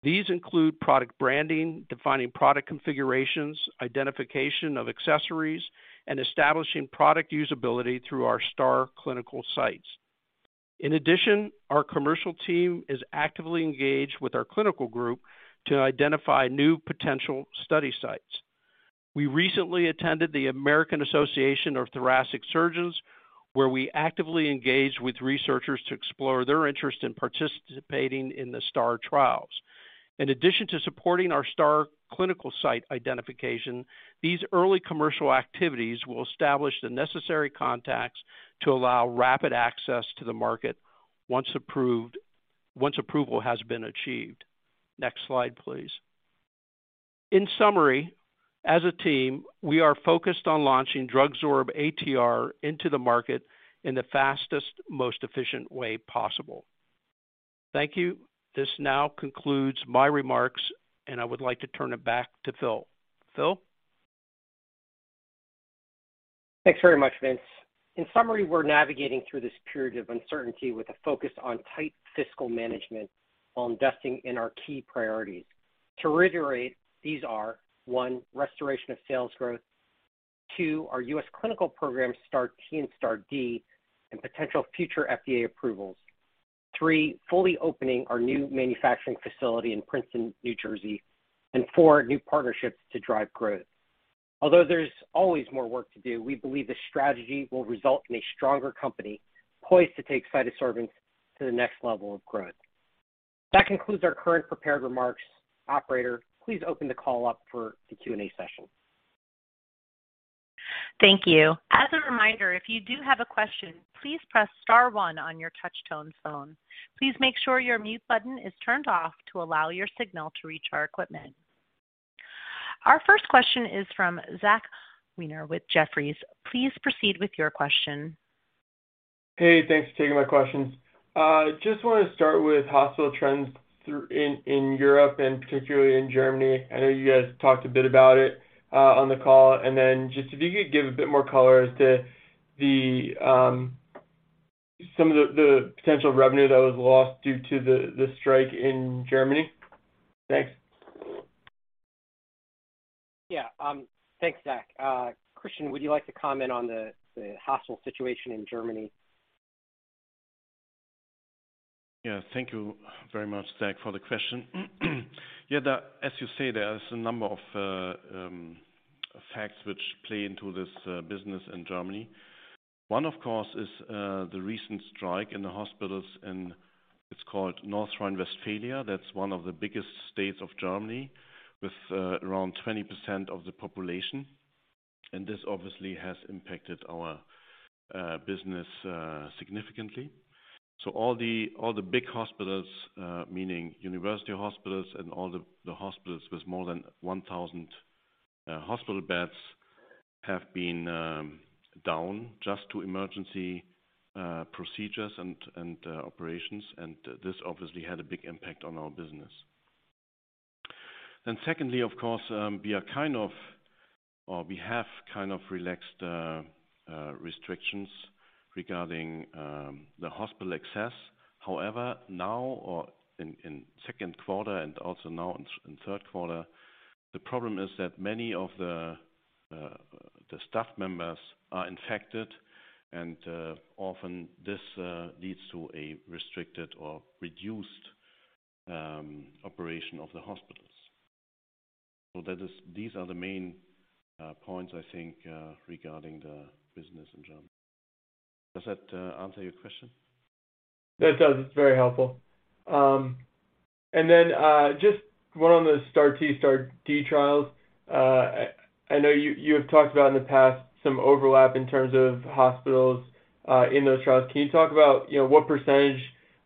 These include product branding, defining product configurations, identification of accessories, and establishing product usability through our STAR clinical sites. In addition, our commercial team is actively engaged with our clinical group to identify new potential study sites. We recently attended the American Association for Thoracic Surgery, where we actively engaged with researchers to explore their interest in participating in the STAR-Trials. In addition to supporting our STAR clinical site identification, these early commercial activities will establish the necessary contacts to allow rapid access to the market once approval has been achieved. Next slide, please. In summary, as a team, we are focused on launching DrugSorb-ATR into the market in the fastest, most efficient way possible. Thank you. This now concludes my remarks, and I would like to turn it back to Phil. Phil? Thanks very much, Vince. In summary, we're navigating through this period of uncertainty with a focus on tight fiscal management while investing in our key priorities. To reiterate, these are, one, restoration of sales growth. Two, our U.S. clinical program STAR-T and STAR-D and potential future FDA approvals. Three, fully opening our new manufacturing facility in Princeton, New Jersey. And four, new partnerships to drive growth. Although there's always more work to do, we believe this strategy will result in a stronger company poised to take CytoSorbents to the next level of growth. That concludes our current prepared remarks. Operator, please open the call up for the Q&A session. Thank you. As a reminder, if you do have a question, please press star one on your touch-tone phone. Please make sure your mute button is turned off to allow your signal to reach our equipment. Our first question is from Zachary Weiner with Jefferies. Please proceed with your question. Hey, thanks for taking my questions. Just wanna start with hospital trends in Europe and particularly in Germany. I know you guys talked a bit about it on the call, and then just if you could give a bit more color as to some of the potential revenue that was lost due to the strike in Germany. Thanks. Yeah. Thanks, Zach. Christian, would you like to comment on the hospital situation in Germany? Yeah. Thank you very much, Zach, for the question. Yeah. As you say, there's a number of facts which play into this business in Germany. One, of course, is the recent strike in the hospitals in. It's called North Rhine-Westphalia. That's one of the biggest states of Germany with around 20% of the population. This obviously has impacted our business significantly. All the big hospitals, meaning university hospitals and all the hospitals with more than 1,000 hospital beds, have been down just to emergency procedures and operations. This obviously had a big impact on our business. Secondly, of course, we have kind of relaxed restrictions regarding the hospital access. However, now or in second quarter and also now in third quarter, the problem is that many of the staff members are infected, and often this leads to a restricted or reduced operation of the hospitals. These are the main points I think regarding the business in Germany. Does that answer your question? That does. It's very helpful. Just one on the STAR-T, STAR-D trials. I know you have talked about in the past some overlap in terms of hospitals in those trials. Can you talk about, you know, what percentage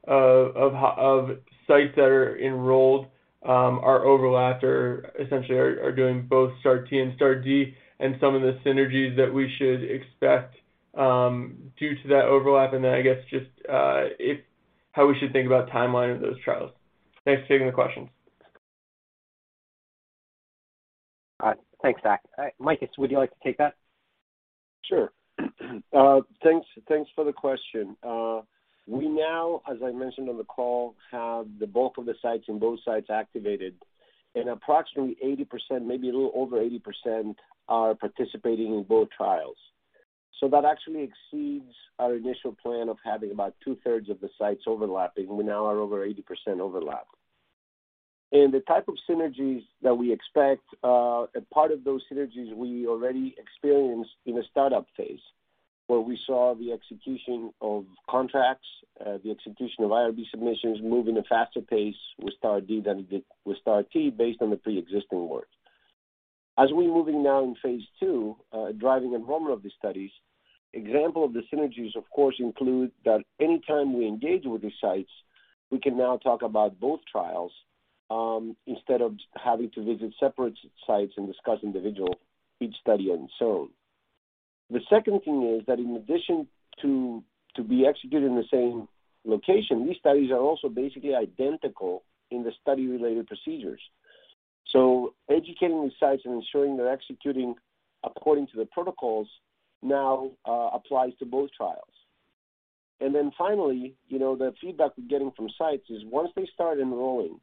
of sites that are enrolled are overlapped or essentially are doing both STAR-T and STAR-D, and some of the synergies that we should expect due to that overlap. I guess just how we should think about timeline of those trials. Thanks for taking the questions. Thanks, Zachary Weiner. Efthymios Deliargyris, would you like to take that? Sure. Thanks for the question. We now, as I mentioned on the call, have the bulk of the sites and both sites activated, and approximately 80%, maybe a little over 80%, are participating in both trials. That actually exceeds our initial plan of having about 2/3 of the sites overlapping. We now are over 80% overlap. The type of synergies that we expect, and part of those synergies we already experienced in the startup phase, where we saw the execution of contracts, the execution of IRB submissions move in a faster pace with STAR-D than it did with STAR-T based on the preexisting work. As we're moving now in phase II, driving enrollment of the studies, example of the synergies of course include that any time we engage with these sites, we can now talk about both trials, instead of having to visit separate sites and discuss each study on its own. The second thing is that in addition to be executed in the same location, these studies are also basically identical in the study-related procedures. Educating the sites and ensuring they're executing according to the protocols now applies to both trials. Finally, you know, the feedback we're getting from sites is once they start enrolling,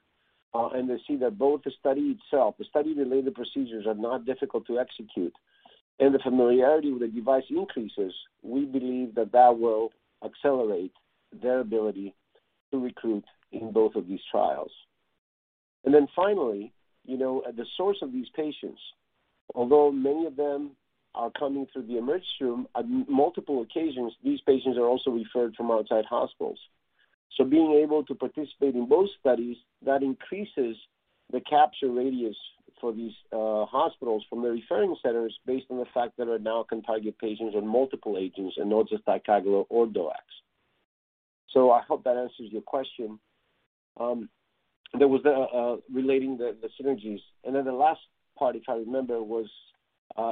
and they see that both the study itself, the study-related procedures are not difficult to execute and the familiarity with the device increases, we believe that that will accelerate their ability to recruit in both of these trials. Finally, you know, at the source of these patients, although many of them are coming through the emergency room, at multiple occasions, these patients are also referred from outside hospitals. Being able to participate in both studies, that increases the capture radius for these hospitals from the referring centers based on the fact that they now can target patients on multiple agents and not just ticagrelor or DOACs. I hope that answers your question. There was a relating to the synergies. The last part, if I remember, was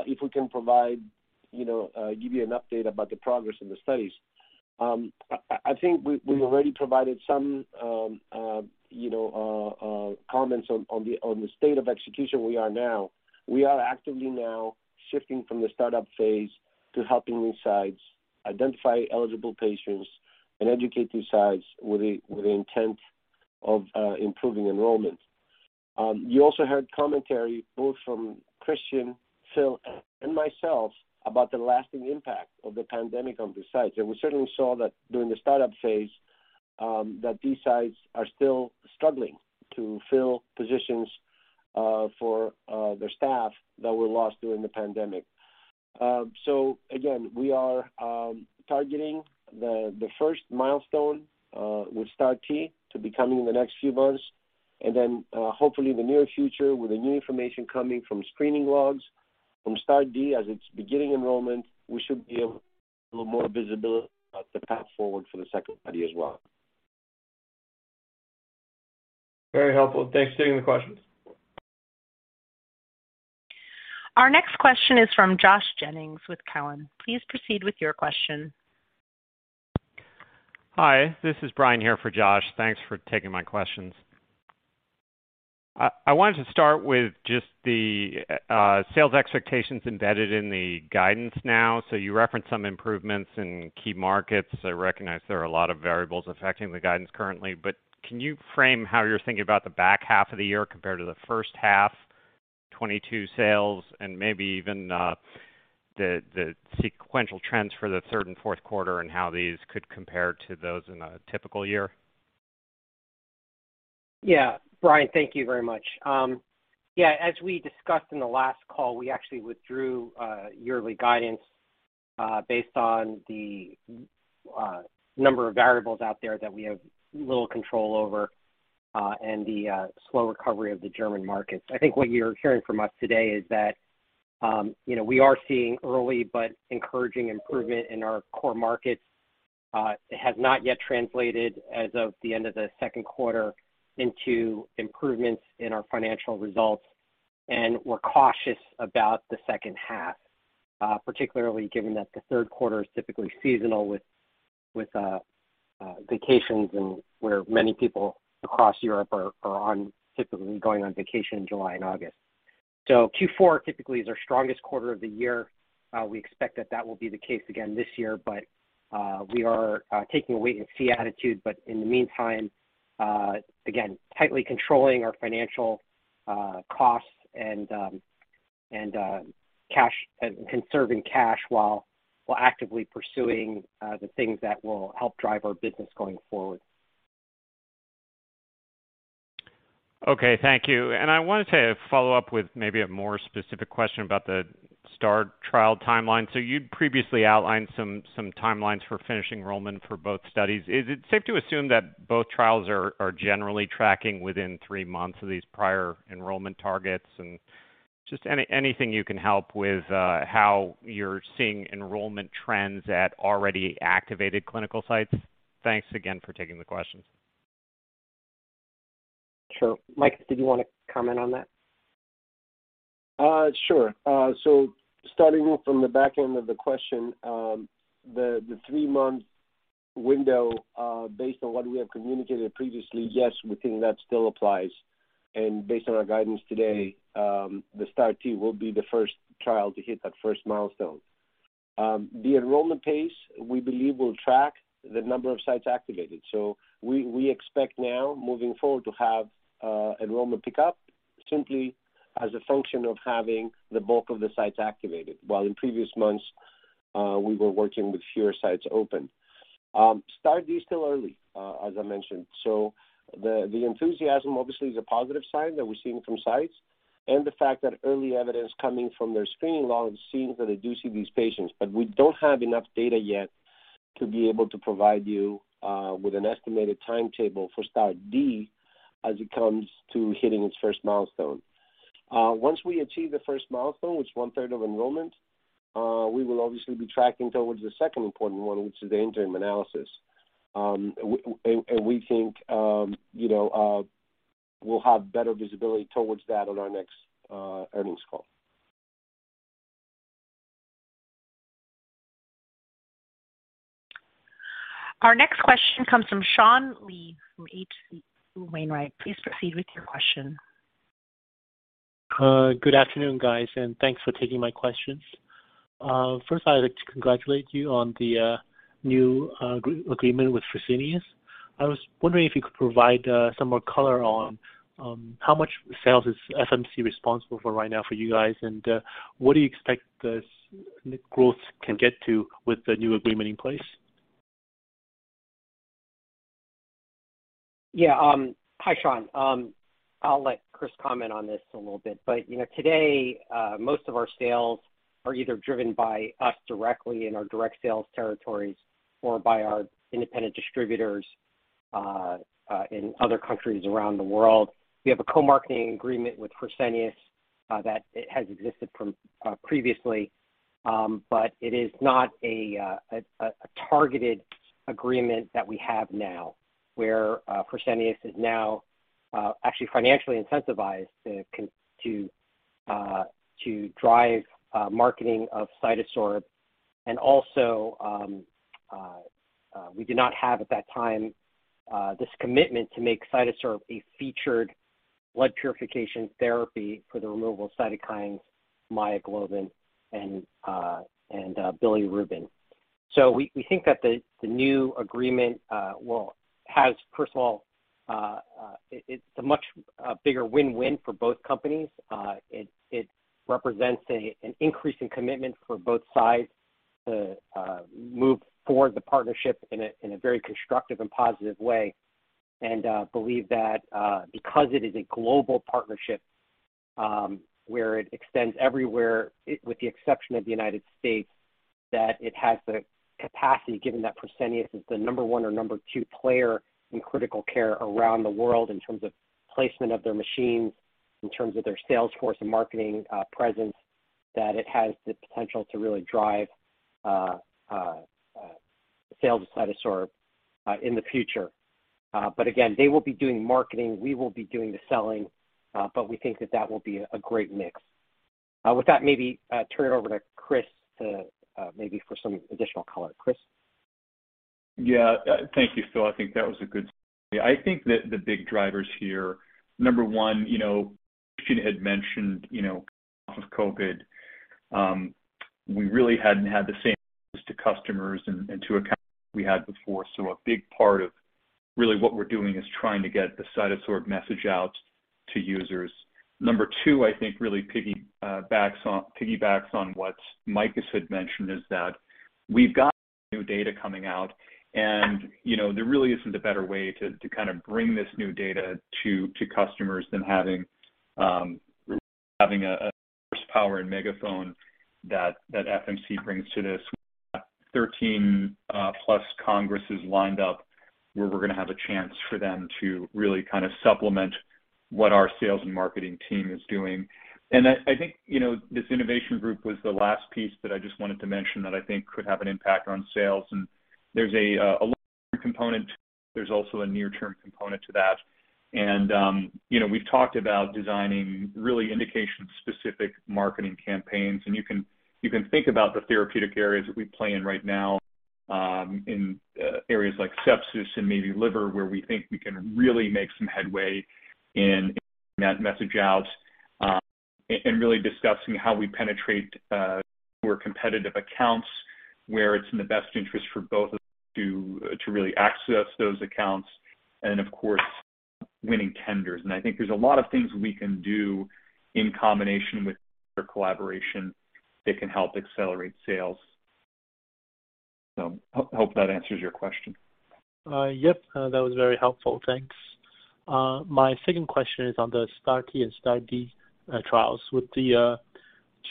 if we can provide, you know, give you an update about the progress in the studies. I think we've already provided some, you know, comments on the state of execution we are now. We are actively now shifting from the startup phase to helping these sites identify eligible patients and educate these sites with the intent of improving enrollment. You also heard commentary both from Christian, Phil, and myself about the lasting impact of the pandemic on these sites. We certainly saw that during the startup phase that these sites are still struggling to fill positions for their staff that were lost during the pandemic. We are targeting the first milestone with STAR-T to be coming in the next few months. Hopefully in the near future, with the new information coming from screening logs from STAR-D as it's beginning enrollment, we should be able to have a little more visibility about the path forward for the second study as well. Very helpful. Thanks for taking the questions. Our next question is from Josh Jennings with Cowen. Please proceed with your question. Hi, this is Brian here for Josh. Thanks for taking my questions. I wanted to start with just the sales expectations embedded in the guidance now. You referenced some improvements in key markets. I recognize there are a lot of variables affecting the guidance currently, but can you frame how you're thinking about the back half of the year compared to the H1 2022 sales and maybe even the sequential trends for the third and fourth quarter and how these could compare to those in a typical year? Yeah. Brian, thank you very much. Yeah, as we discussed in the last call, we actually withdrew yearly guidance based on the number of variables out there that we have little control over and the slow recovery of the German markets. I think what you're hearing from us today is that, you know, we are seeing early but encouraging improvement in our core markets. It has not yet translated as of the end of the second quarter into improvements in our financial results. We're cautious about the H2, particularly given that the third quarter is typically seasonal with vacations and where many people across Europe are typically going on vacation in July and August. Q4 typically is our strongest quarter of the year. We expect that will be the case again this year. We are taking a wait and see attitude. In the meantime, again, tightly controlling our financial costs and conserving cash while actively pursuing the things that will help drive our business going forward. Okay. Thank you. I wanted to follow up with maybe a more specific question about the STAR trial timeline. You'd previously outlined some timelines for finishing enrollment for both studies. Is it safe to assume that both trials are generally tracking within three months of these prior enrollment targets? Just anything you can help with, how you're seeing enrollment trends at already activated clinical sites. Thanks again for taking the questions. Sure. Makis, did you wanna comment on that? Sure. Starting from the back end of the question, the three-month window, based on what we have communicated previously, yes, we think that still applies. Based on our guidance today, the STAR-T will be the first trial to hit that first milestone. The enrollment pace, we believe will track the number of sites activated. We expect now moving forward to have enrollment pick up simply as a function of having the bulk of the sites activated. While in previous months, we were working with fewer sites open. STAR-D is still early, as I mentioned. The enthusiasm obviously is a positive sign that we're seeing from sites and the fact that early evidence coming from their screening logs seems that they do see these patients, but we don't have enough data yet to be able to provide you with an estimated timetable for STAR-D as it comes to hitting its first milestone. Once we achieve the first milestone, which one-third of enrollment, we will obviously be tracking towards the second important one, which is the interim analysis. And we think, you know, we'll have better visibility towards that on our next earnings call. Our next question comes from Sean Lee from H.C. Wainwright. Please proceed with your question. Good afternoon, guys, and thanks for taking my questions. First I'd like to congratulate you on the new agreement with Fresenius. I was wondering if you could provide some more color on how much sales is FMC responsible for right now for you guys, and what do you expect this net growth can get to with the new agreement in place? Yeah. Hi, Sean. I'll let Chris comment on this a little bit. You know, today, most of our sales are either driven by us directly in our direct sales territories or by our independent distributors in other countries around the world. We have a co-marketing agreement with Fresenius that has existed from previously, but it is not a targeted agreement that we have now, where Fresenius is now actually financially incentivized to drive marketing of CytoSorb. Also, we did not have at that time this commitment to make CytoSorb a featured blood purification therapy for the removal of cytokines, myoglobin, and bilirubin. We think that the new agreement is a much bigger win-win for both companies. It represents an increase in commitment for both sides to move forward the partnership in a very constructive and positive way. We believe that because it is a global partnership where it extends everywhere, with the exception of the United States, that it has the capacity, given that Fresenius is the number one or number two player in critical care around the world in terms of placement of their machines, in terms of their sales force and marketing presence, that it has the potential to really drive sales of CytoSorb in the future. Again, they will be doing marketing, we will be doing the selling, but we think that will be a great mix. With that, maybe turn it over to Chris to maybe for some additional color. Chris? Yeah. Thank you, Phil. I think that was a good summary. I think the big drivers here, number one, you know, Christian had mentioned, you know, coming off of COVID, we really hadn't had the same access to customers and to accounts we had before. A big part of really what we're doing is trying to get the CytoSorb message out to users. Number two, I think really piggybacks on what Makis had mentioned, is that we've got new data coming out and, you know, there really isn't a better way to kind of bring this new data to customers than having a horsepower and megaphone that FMC brings to this. We've got 13+ congresses lined up, where we're gonna have a chance for them to really kind of supplement what our sales and marketing team is doing. I think, you know, this innovation group was the last piece that I just wanted to mention that I think could have an impact on sales. There's a longer component. There's also a near-term component to that. You know, we've talked about designing really indication-specific marketing campaigns, and you can think about the therapeutic areas that we play in right now, in areas like sepsis and maybe liver, where we think we can really make some headway in getting that message out, and really discussing how we penetrate more competitive accounts where it's in the best interest for both of us to really access those accounts and of course, winning tenders. I think there's a lot of things we can do in combination with their collaboration that can help accelerate sales. hope that answers your question. Yep. That was very helpful. Thanks. My second question is on the STAR-T and STAR-D trials. With the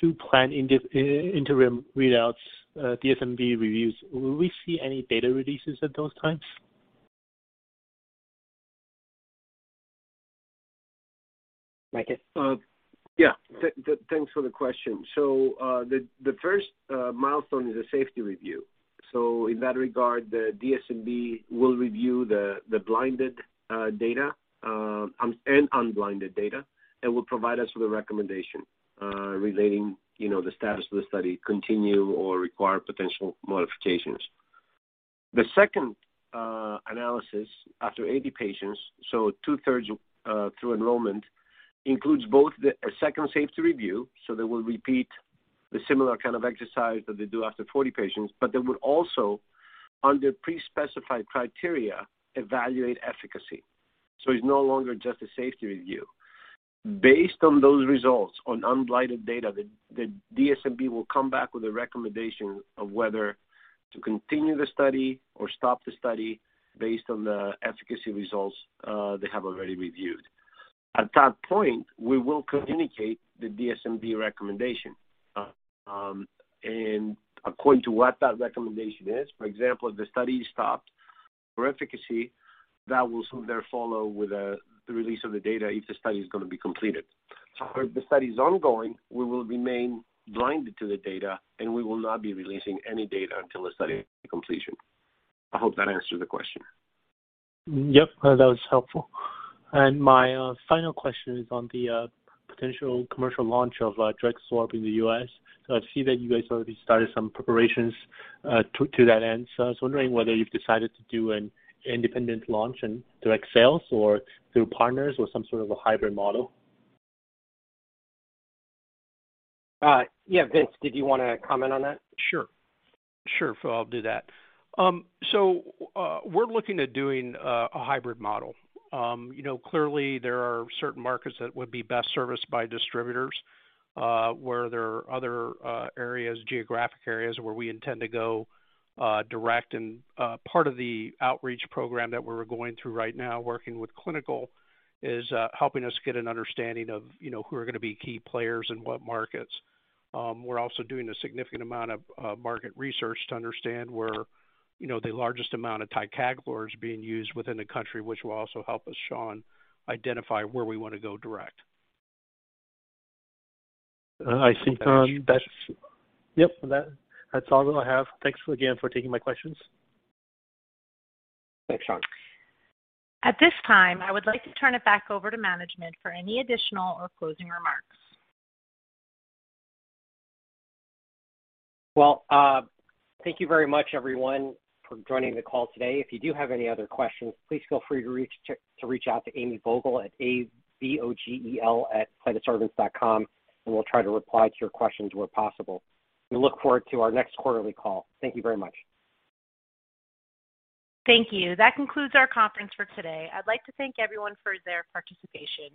two planned interim readouts, DSMB reviews, will we see any data releases at those times? Makis? Thanks for the question. The first milestone is a safety review. In that regard, the DSMB will review the blinded data and unblinded data and will provide us with a recommendation relating, you know, the status of the study, continue or require potential modifications. The second analysis after 80 patients, so 2/3 through enrollment, includes both the second safety review, they will repeat the similar kind of exercise that they do after 40 patients, but they will also, under pre-specified criteria, evaluate efficacy. It's no longer just a safety review. Based on those results on unblinded data, the DSMB will come back with a recommendation of whether to continue the study or stop the study based on the efficacy results they have already reviewed. At that point, we will communicate the DSMB recommendation. According to what that recommendation is, for example, if the study is stopped for efficacy, that will soon thereafter follow with the release of the data if the study is going to be completed. If the study is ongoing, we will remain blinded to the data, and we will not be releasing any data until the study completion. I hope that answers the question. Yep. That was helpful. My final question is on the potential commercial launch of DrugSorb-ATR in the US. I see that you guys already started some preparations to that end. I was wondering whether you've decided to do an independent launch and direct sales or through partners or some sort of a hybrid model. Yeah. Vince, did you wanna comment on that? Sure, Phil, I'll do that. We're looking at doing a hybrid model. You know, clearly there are certain markets that would be best serviced by distributors, where there are other areas, geographic areas where we intend to go direct. Part of the outreach program that we're going through right now working with clinical is helping us get an understanding of, you know, who are gonna be key players in what markets. We're also doing a significant amount of market research to understand where, you know, the largest amount of ticagrelor is being used within the country, which will also help us, Sean, identify where we wanna go direct. I think that's yep. That's all that I have. Thanks again for taking my questions. Thanks, Sean. At this time, I would like to turn it back over to management for any additional or closing remarks. Well, thank you very much everyone for joining the call today. If you do have any other questions, please feel free to reach out to Amy Vogel at avogel@cytosorbents.com, and we'll try to reply to your questions where possible. We look forward to our next quarterly call. Thank you very much. Thank you. That concludes our conference for today. I'd like to thank everyone for their participation.